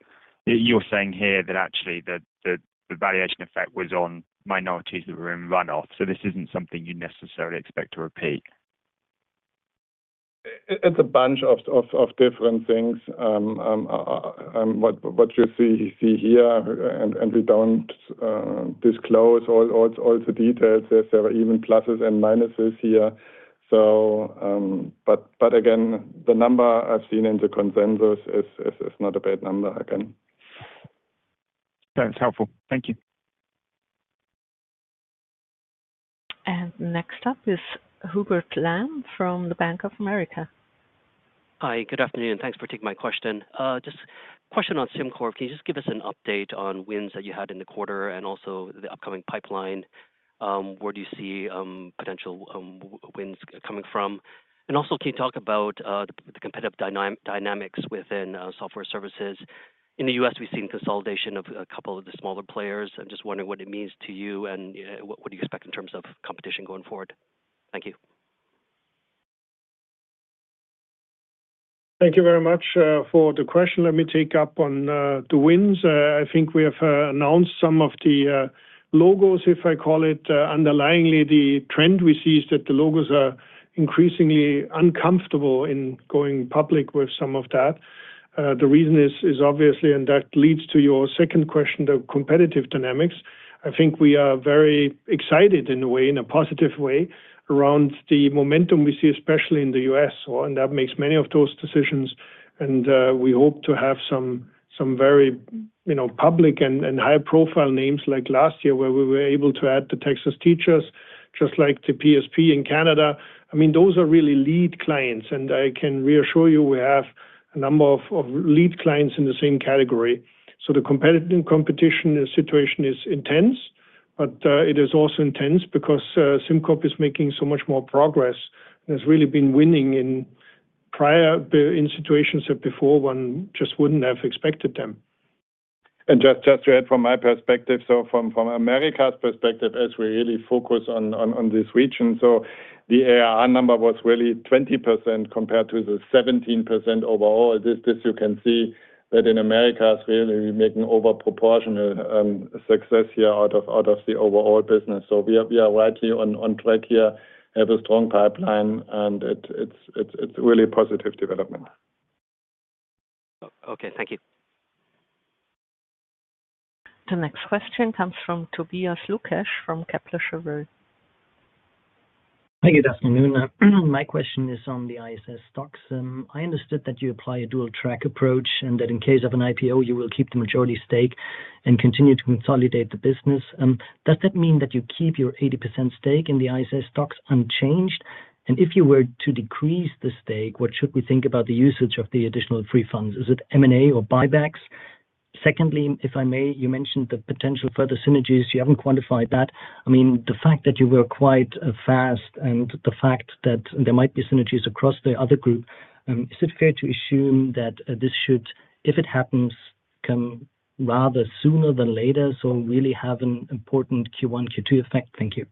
You're saying here that actually the valuation effect was on minorities that were in runoff, so this isn't something you necessarily expect to repeat. It's a bunch of different things. What you see here, and we don't disclose all the details, there are even pluses and minuses here. But again, the number I've seen in the consensus is not a bad number again. That's helpful. Thank you. And next up is Hubert Lam from the Bank of America. Hi, good afternoon. Thanks for taking my question. Just a question on SimCorp. Can you just give us an update on wins that you had in the quarter and also the upcoming pipeline? Where do you see potential wins coming from? And also, can you talk about the competitive dynamics within software services? In the U.S., we've seen consolidation of a couple of the smaller players. I'm just wondering what it means to you and what do you expect in terms of competition going forward? Thank you. Thank you very much for the question. Let me take up on the wins. I think we have announced some of the logos, if I call it, underlyingly the trend we see is that the logos are increasingly uncomfortable in going public with some of that. The reason is obviously, and that leads to your second question, the competitive dynamics. I think we are very excited in a way, in a positive way, around the momentum we see, especially in the U.S., and that makes many of those decisions. And we hope to have some very public and high-profile names like last year where we were able to add the Texas Teachers, just like the PSP in Canada. I mean, those are really lead clients, and I can reassure you we have a number of lead clients in the same category. So the competition situation is intense, but it is also intense because SimCorp is making so much more progress. It has really been winning in situations that before one just wouldn't have expected them. And just to add from my perspective, so from Americas' perspective, as we really focus on this region, so the ARR number was really 20% compared to the 17% overall. This you can see that in Americas is really making overproportional success here out of the overall business. So we are rightly on track here, have a strong pipeline, and it's really a positive development. Okay. Thank you. The next question comes from Tobias Lukesch from Kepler Cheuvreux. Hi, good afternoon. My question is on the ISS STOXX. I understood that you apply a dual-track approach and that in case of an IPO, you will keep the majority stake and continue to consolidate the business. Does that mean that you keep your 80% stake in the ISS STOXX unchanged? And if you were to decrease the stake, what should we think about the usage of the additional free funds? Is it M&A or buybacks? Secondly, if I may, you mentioned the potential further synergies. You haven't quantified that. I mean, the fact that you were quite fast and the fact that there might be synergies across the other group, is it fair to assume that this should, if it happens, come rather sooner than later, so really have an important Q1, Q2 effect? Thank you.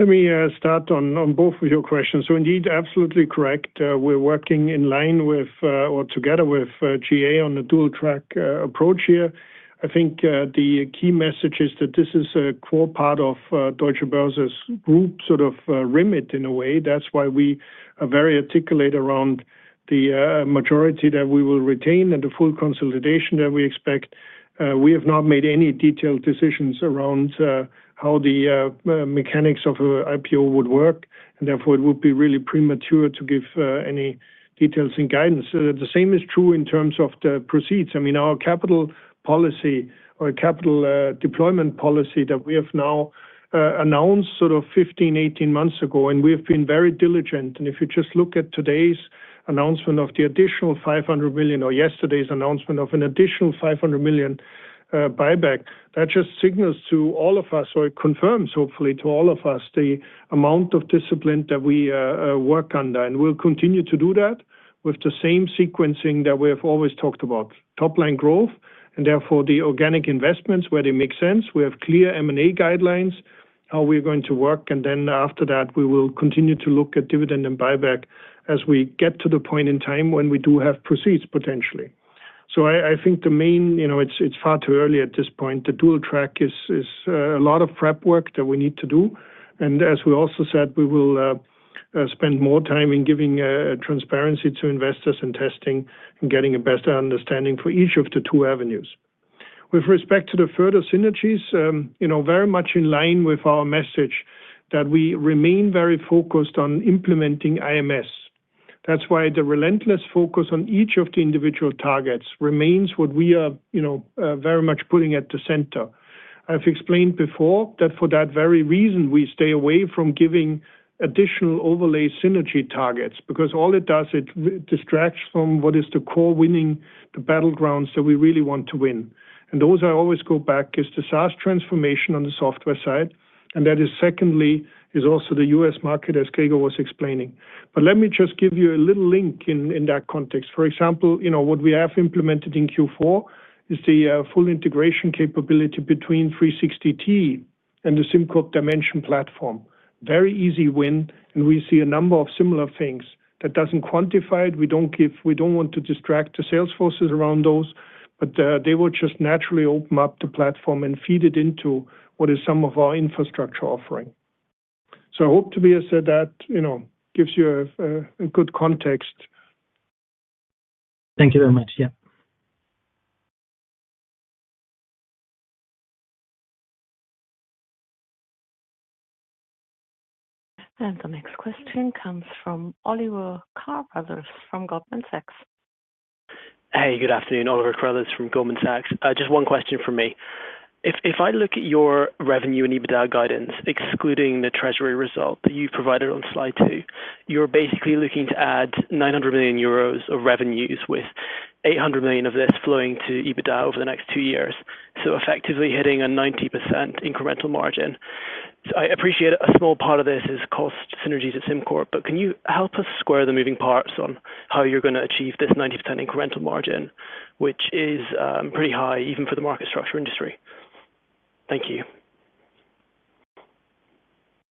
Let me start on both of your questions. So indeed, absolutely correct. We're working in line with or together with GA on the dual-track approach here. I think the key message is that this is a core part of Deutsche Börse's group sort of remit in a way. That's why we are very articulate around the majority that we will retain and the full consolidation that we expect. We have not made any detailed decisions around how the mechanics of an IPO would work, and therefore it would be really premature to give any details and guidance. The same is true in terms of the proceeds. I mean, our capital policy or capital deployment policy that we have now announced sort of 15, 18 months ago, and we have been very diligent. And if you just look at today's announcement of the additional 500 million or yesterday's announcement of an additional 500 million buyback, that just signals to all of us, or it confirms hopefully to all of us, the amount of discipline that we work under. And we'll continue to do that with the same sequencing that we have always talked about: top-line growth and therefore the organic investments where they make sense. We have clear M&A guidelines how we're going to work, and then after that, we will continue to look at dividend and buyback as we get to the point in time when we do have proceeds potentially. So I think the main, it's far too early at this point. The dual-track is a lot of prep work that we need to do. And as we also said, we will spend more time in giving transparency to investors and testing and getting a better understanding for each of the two avenues. With respect to the further synergies, very much in line with our message that we remain very focused on implementing ISS. That's why the relentless focus on each of the individual targets remains what we are very much putting at the center. I've explained before that for that very reason, we stay away from giving additional overlay synergy targets because all it does, it distracts from what is the core winning, the battlegrounds that we really want to win. And those I always go back is the SaaS transformation on the software side, and that is secondly is also the U.S. market, as Gregor was explaining. But let me just give you a little link in that context. For example, what we have implemented in Q4 is the full integration capability between 360T and the SimCorp Dimension platform. Very easy win, and we see a number of similar things. That doesn't quantify it. We don't want to distract the sales forces around those, but they will just naturally open up the platform and feed it into what is some of our infrastructure offering. So I hope I've said that gives you a good context. Thank you very much. Yeah. And the next question comes from Oliver Carruthers from Goldman Sachs. Hey, good afternoon. Oliver Carr from Goldman Sachs. Just one question from me. If I look at your revenue and EBITDA guidance, excluding the treasury result that you've provided on slide two, you're basically looking to add 900 million euros of revenues with 800 million of this flowing to EBITDA over the next two years, so effectively hitting a 90% incremental margin. So I appreciate a small part of this is cost synergies at SimCorp, but can you help us square the moving parts on how you're going to achieve this 90% incremental margin, which is pretty high even for the market structure industry? Thank you.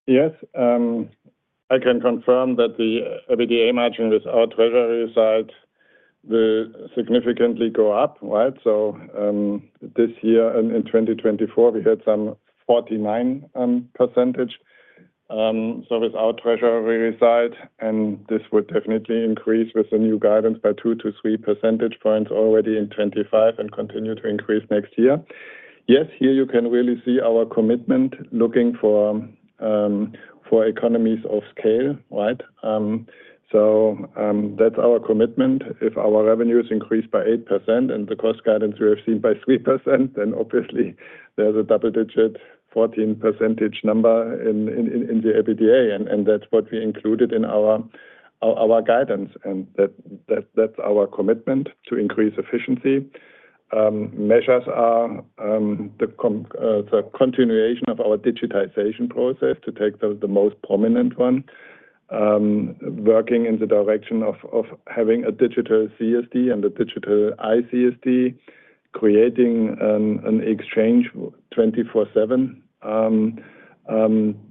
Yes. I can confirm that the EBITDA margin without treasury results will significantly go up, right? So this year and in 2024, we had some 49%. So without treasury results, and this would definitely increase with the new guidance by 2-3 percentage points already in 2025 and continue to increase next year. Yes, here you can really see our commitment looking for economies of scale, right? So that's our commitment. If our revenues increase by 8% and the cost guidance we have seen by 3%, then obviously there's a double-digit 14% number in the EBITDA, and that's what we included in our guidance. And that's our commitment to increase efficiency. Measures are the continuation of our digitization process to take the most prominent one, working in the direction of having a digital CSD and a digital ICSD, creating an exchange 24/7,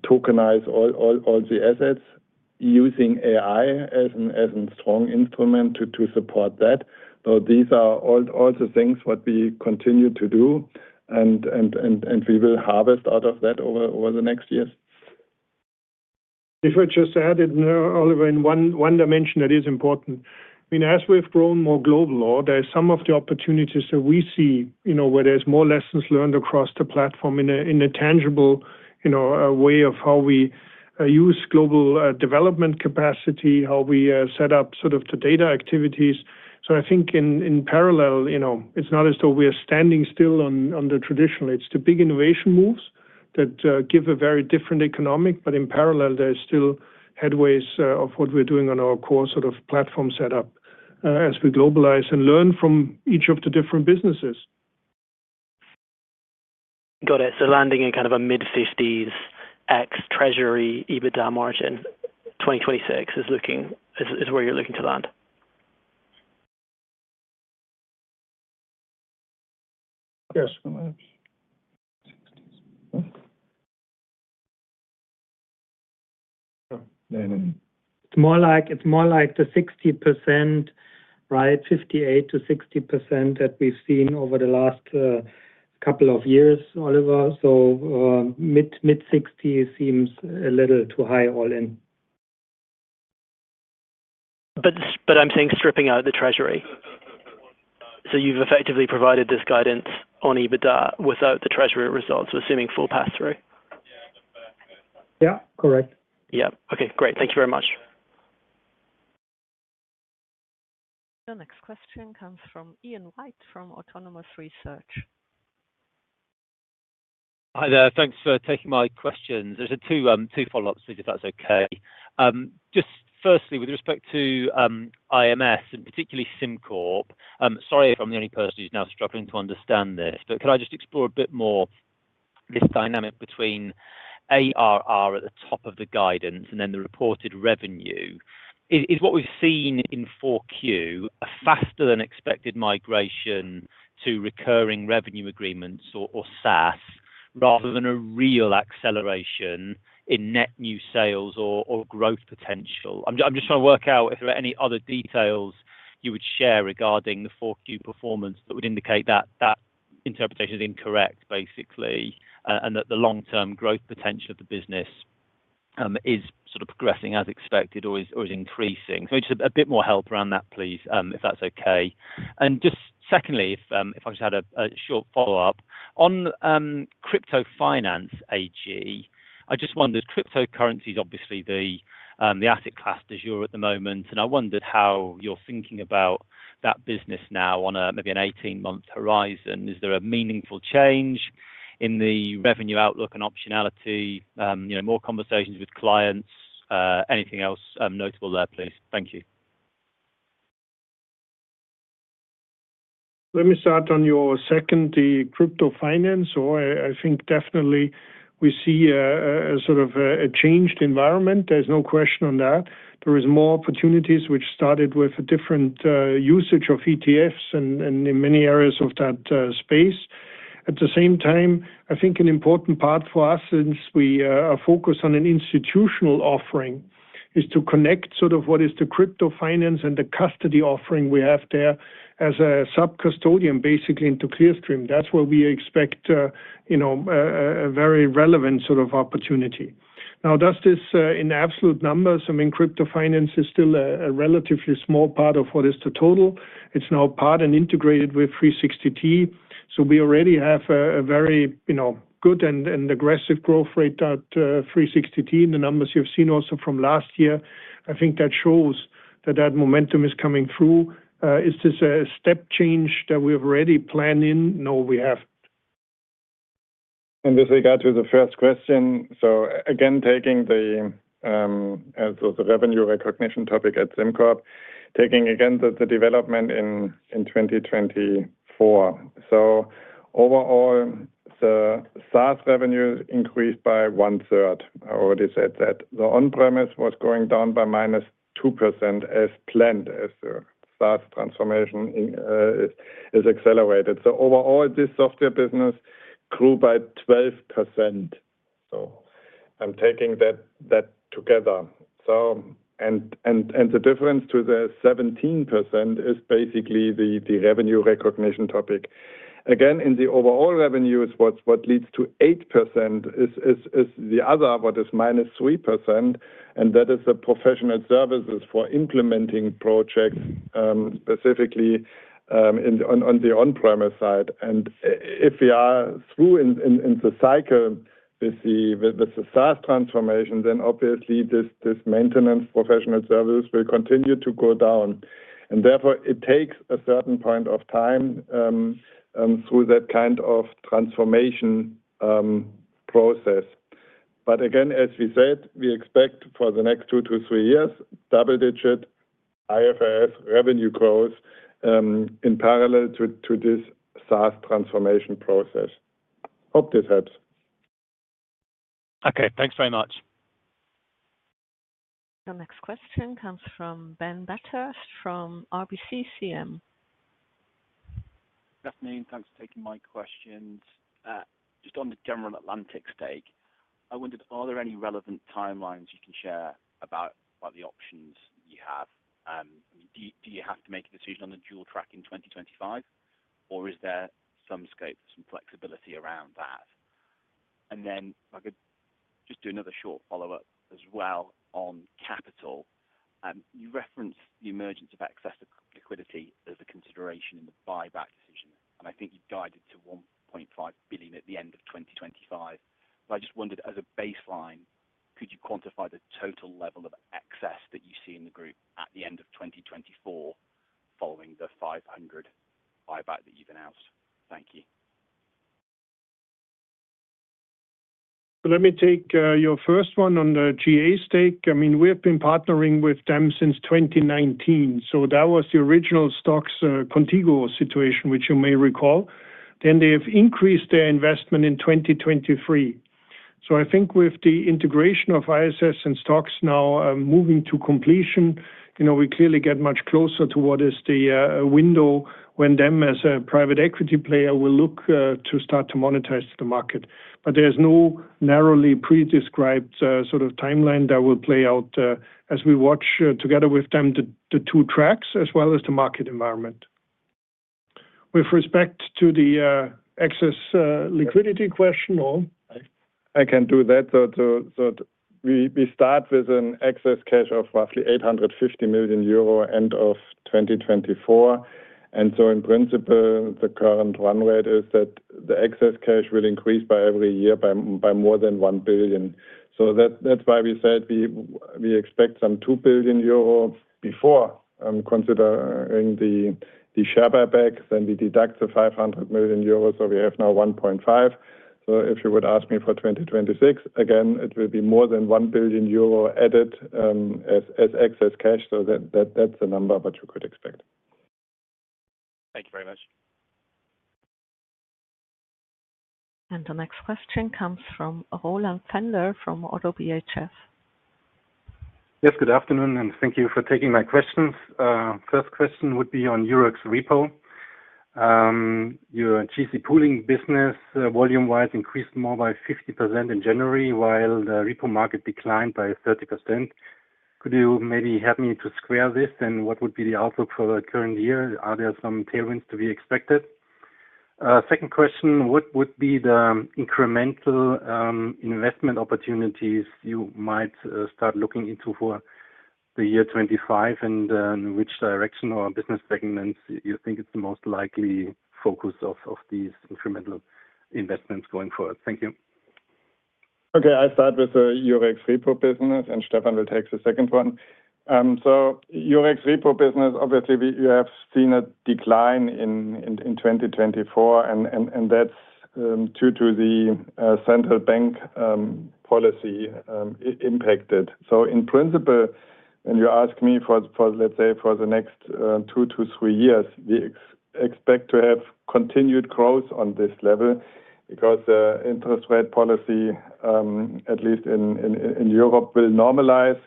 tokenize all the assets using AI as a strong instrument to support that. These are all the things what we continue to do, and we will harvest out of that over the next years. If I just added, Oliver, in one dimension that is important, I mean, as we've grown more global, there are some of the opportunities that we see where there's more lessons learned across the platform in a tangible way of how we use global development capacity, how we set up sort of the data activities. So I think in parallel, it's not as though we are standing still on the traditional. It's the big innovation moves that give a very different economic, but in parallel, there's still headways of what we're doing on our core sort of platform setup as we globalize and learn from each of the different businesses. Got it. So landing in kind of a mid-50s ex-treasury EBITDA margin 2026 is where you're looking to land? Yes. It's more like the 60%, right? 58%-60% that we've seen over the last couple of years, Oliver. So mid-60% seems a little too high all in. But I'm saying stripping out of the treasury. So you've effectively provided this guidance on EBITDA without the treasury results, assuming full pass-through? Yeah. Correct. Yeah. Okay. Great. Thank you very much. The next question comes from Ian White from Autonomous Research. Hi there. Thanks for taking my questions. There's two follow-ups, if that's okay. Just firstly, with respect to IMS and particularly SimCorp, sorry if I'm the only person who's now struggling to understand this, but could I just explore a bit more this dynamic between ARR at the top of the guidance and then the reported revenue? Is what we've seen in 4Q a faster-than-expected migration to recurring revenue agreements or SaaS rather than a real acceleration in net new sales or growth potential? I'm just trying to work out if there are any other details you would share regarding the 4Q performance that would indicate that that interpretation is incorrect, basically, and that the long-term growth potential of the business is sort of progressing as expected or is increasing. So just a bit more help around that, please, if that's okay. And just secondly, if I just had a short follow-up. On Crypto Finance AG, I just wondered, cryptocurrency is obviously the asset class du jour at the moment, and I wondered how you're thinking about that business now on maybe an 18-month horizon. Is there a meaningful change in the revenue outlook and optionality, more conversations with clients? Anything else notable there, please? Thank you. Let me start on your second, the crypto finance. So I think definitely we see a sort of a changed environment. There's no question on that. There are more opportunities which started with a different usage of ETFs and in many areas of that space. At the same time, I think an important part for us, since we are focused on an institutional offering, is to connect sort of what is the crypto finance and the custody offering we have there as a sub-custodian, basically into Clearstream. That's where we expect a very relevant sort of opportunity. Now, does this in absolute numbers? I mean, crypto finance is still a relatively small part of what is the total. It's now part and integrated with 360T. So we already have a very good and aggressive growth rate at 360T in the numbers you've seen also from last year. I think that shows that that momentum is coming through. Is this a step change that we've already planned in? No, we haven't. With regard to the first question, again taking the revenue recognition topic at SimCorp and taking the development in 2024. Overall, the SaaS revenue increased by one-third. I already said that. The on-premise was going down by minus 2% as planned as the SaaS transformation is accelerated. Overall, this software business grew by 12%. I'm taking that together. The difference to the 17% is basically the revenue recognition topic. Again, in the overall revenues, what leads to 8% is the other, what is minus 3%, and that is the professional services for implementing projects specifically on the on-premise side. If we are through in the cycle with the SaaS transformation, then obviously this maintenance professional services will continue to go down. Therefore, it takes a certain point of time through that kind of transformation process. But again, as we said, we expect for the next two to three years, double-digit IFRS revenue growth in parallel to this SaaS transformation process. Hope this helps. Okay. Thanks very much. The next question comes from Ben Bathurst from RBC CM. Stephan, thanks for taking my questions. Just on the General Atlantic stake, I wondered, are there any relevant timelines you can share about the options you have? Do you have to make a decision on the dual track in 2025, or is there some scope, some flexibility around that? And then I could just do another short follow-up as well on capital. You referenced the emergence of excess liquidity as a consideration in the buyback decision, and I think you guided to 1.5 billion at the end of 2025. But I just wondered, as a baseline, could you quantify the total level of excess that you see in the group at the end of 2024 following the 500 million buyback that you've announced? Thank you. Let me take your first one on the GA stake. I mean, we have been partnering with them since 2019. So that was the original Qontigo situation, which you may recall. Then they have increased their investment in 2023. So I think with the integration of ISS and STOXX now moving to completion, we clearly get much closer to what is the window when they, as a private equity player, will look to start to monetize the market. But there's no narrowly pre-described sort of timeline that will play out as we watch together with them the two tracks as well as the market environment. With respect to the excess liquidity question, or? I can do that. So we start with an excess cash of roughly 850 million euro end of 2024. And so in principle, the current run rate is that the excess cash will increase by every year by more than 1 billion. So that's why we said we expect some 2 billion euro before considering the share buyback. Then we deduct the 500 million euro, so we have now 1.5. So if you would ask me for 2026, again, it will be more than 1 billion euro added as excess cash. So that's the number that you could expect. Thank you very much. And the next question comes from Roland Pfänder from ODDO BHF. Yes, good afternoon, and thank you for taking my questions. First question would be on Eurex's repo. Your GC Pooling business volume-wise increased more by 50% in January, while the repo market declined by 30%. Could you maybe help me to square this, and what would be the outlook for the current year? Are there some tailwinds to be expected? Second question, what would be the incremental investment opportunities you might start looking into for the year 2025, and in which direction or business segments you think it's the most likely focus of these incremental investments going forward? Thank you. Okay. I'll start with the Eurex's repo business, and Stephan will take the second one. So Eurex's repo business, obviously, we have seen a decline in 2024, and that's due to the central bank policy impact. So in principle, when you ask me for, let's say, for the next two to three years, we expect to have continued growth on this level because the interest rate policy, at least in Europe, will normalize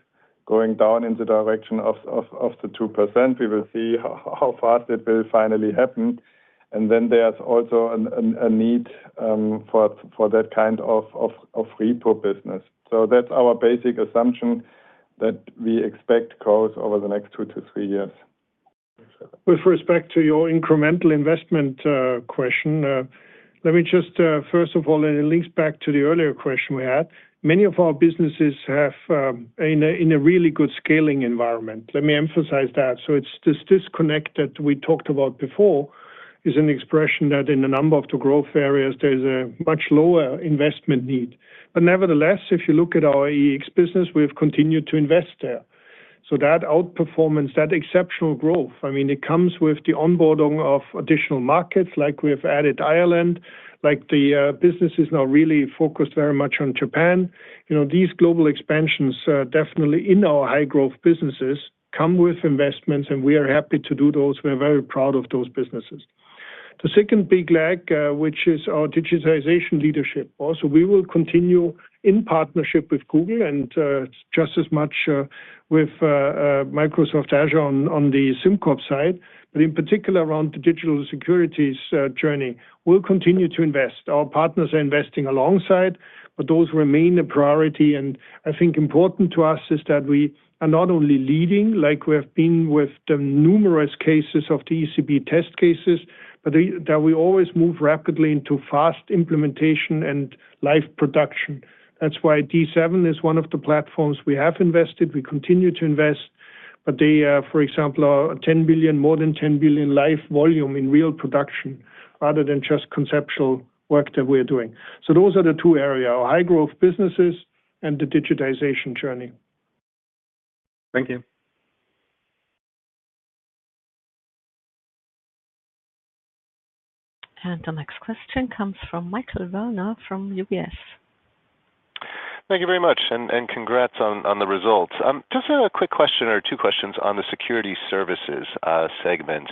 going down in the direction of the 2%. We will see how fast it will finally happen, and then there's also a need for that kind of repo business, so that's our basic assumption that we expect growth over the next two to three years. With respect to your incremental investment question, let me just, first of all, and it links back to the earlier question we had, many of our businesses have in a really good scaling environment. Let me emphasize that, so it's this disconnect that we talked about before is an expression that in a number of the growth areas, there's a much lower investment need, but nevertheless, if you look at our EEX business, we have continued to invest there, so that outperformance, that exceptional growth, I mean, it comes with the onboarding of additional markets like we have added Ireland, like the business is now really focused very much on Japan. These global expansions definitely in our high-growth businesses come with investments, and we are happy to do those. We are very proud of those businesses. The second big flag, which is our digitization leadership, also we will continue in partnership with Google and just as much with Microsoft Azure on the SimCorp side, but in particular around the digital securities journey, we'll continue to invest. Our partners are investing alongside, but those remain a priority. and I think important to us is that we are not only leading, like we have been with the numerous cases of the ECB test cases, but that we always move rapidly into fast implementation and live production. That's why D7 is one of the platforms we have invested. We continue to invest, but they, for example, are 10 billion, more than 10 billion live volume in real production rather than just conceptual work that we're doing. So those are the two areas, our high-growth businesses and the digitization journey. Thank you. And the next question comes from Michael Werner from UBS. Thank you very much, and congrats on the results. Just a quick question or two questions on the Security Services segment.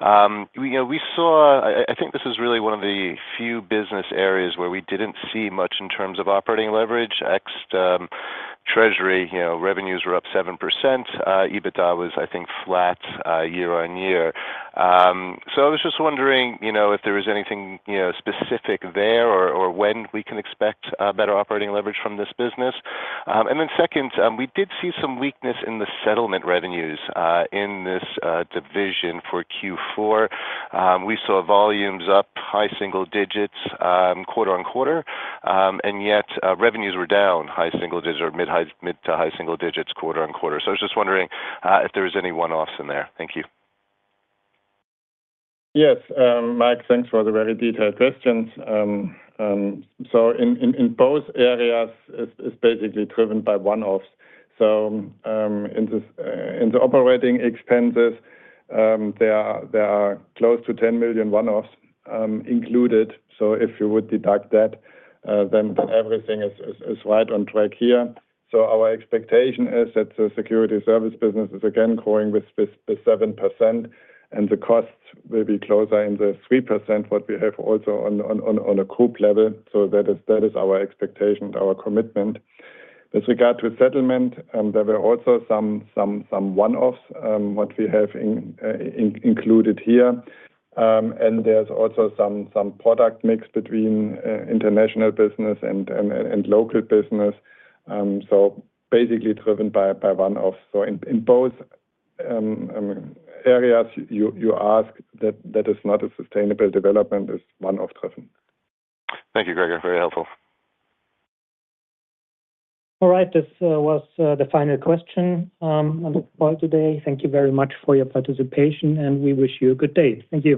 We saw, I think this is really one of the few business areas where we didn't see much in terms of operating leverage. Ex-Treasury revenues were up 7%. EBITDA was, I think, flat year on year. So I was just wondering if there was anything specific there or when we can expect better operating leverage from this business. And then second, we did see some weakness in the settlement revenues in this division for Q4. We saw volumes up, high single digits quarter on quarter, and yet revenues were down, high single digits or mid to high single digits quarter on quarter. So I was just wondering if there was any one-offs in there. Thank you. Yes. Mike, thanks for the very detailed questions. So in both areas, it's basically driven by one-offs. So in the operating expenses, there are close to 10 million one-offs included. So if you would deduct that, then everything is right on track here. So our expectation is that the security service business is again growing with 7%, and the costs will be closer in the 3% what we have also on a group level. So that is our expectation, our commitment. With regard to settlement, there were also some one-offs what we have included here. And there's also some product mix between international business and local business, so basically driven by one-offs. So in both areas you ask that is not a sustainable development is one-off driven. Thank you, Gregor. Very helpful. All right. This was the final question on the call today. Thank you very much for your participation, and we wish you a good day. Thank you.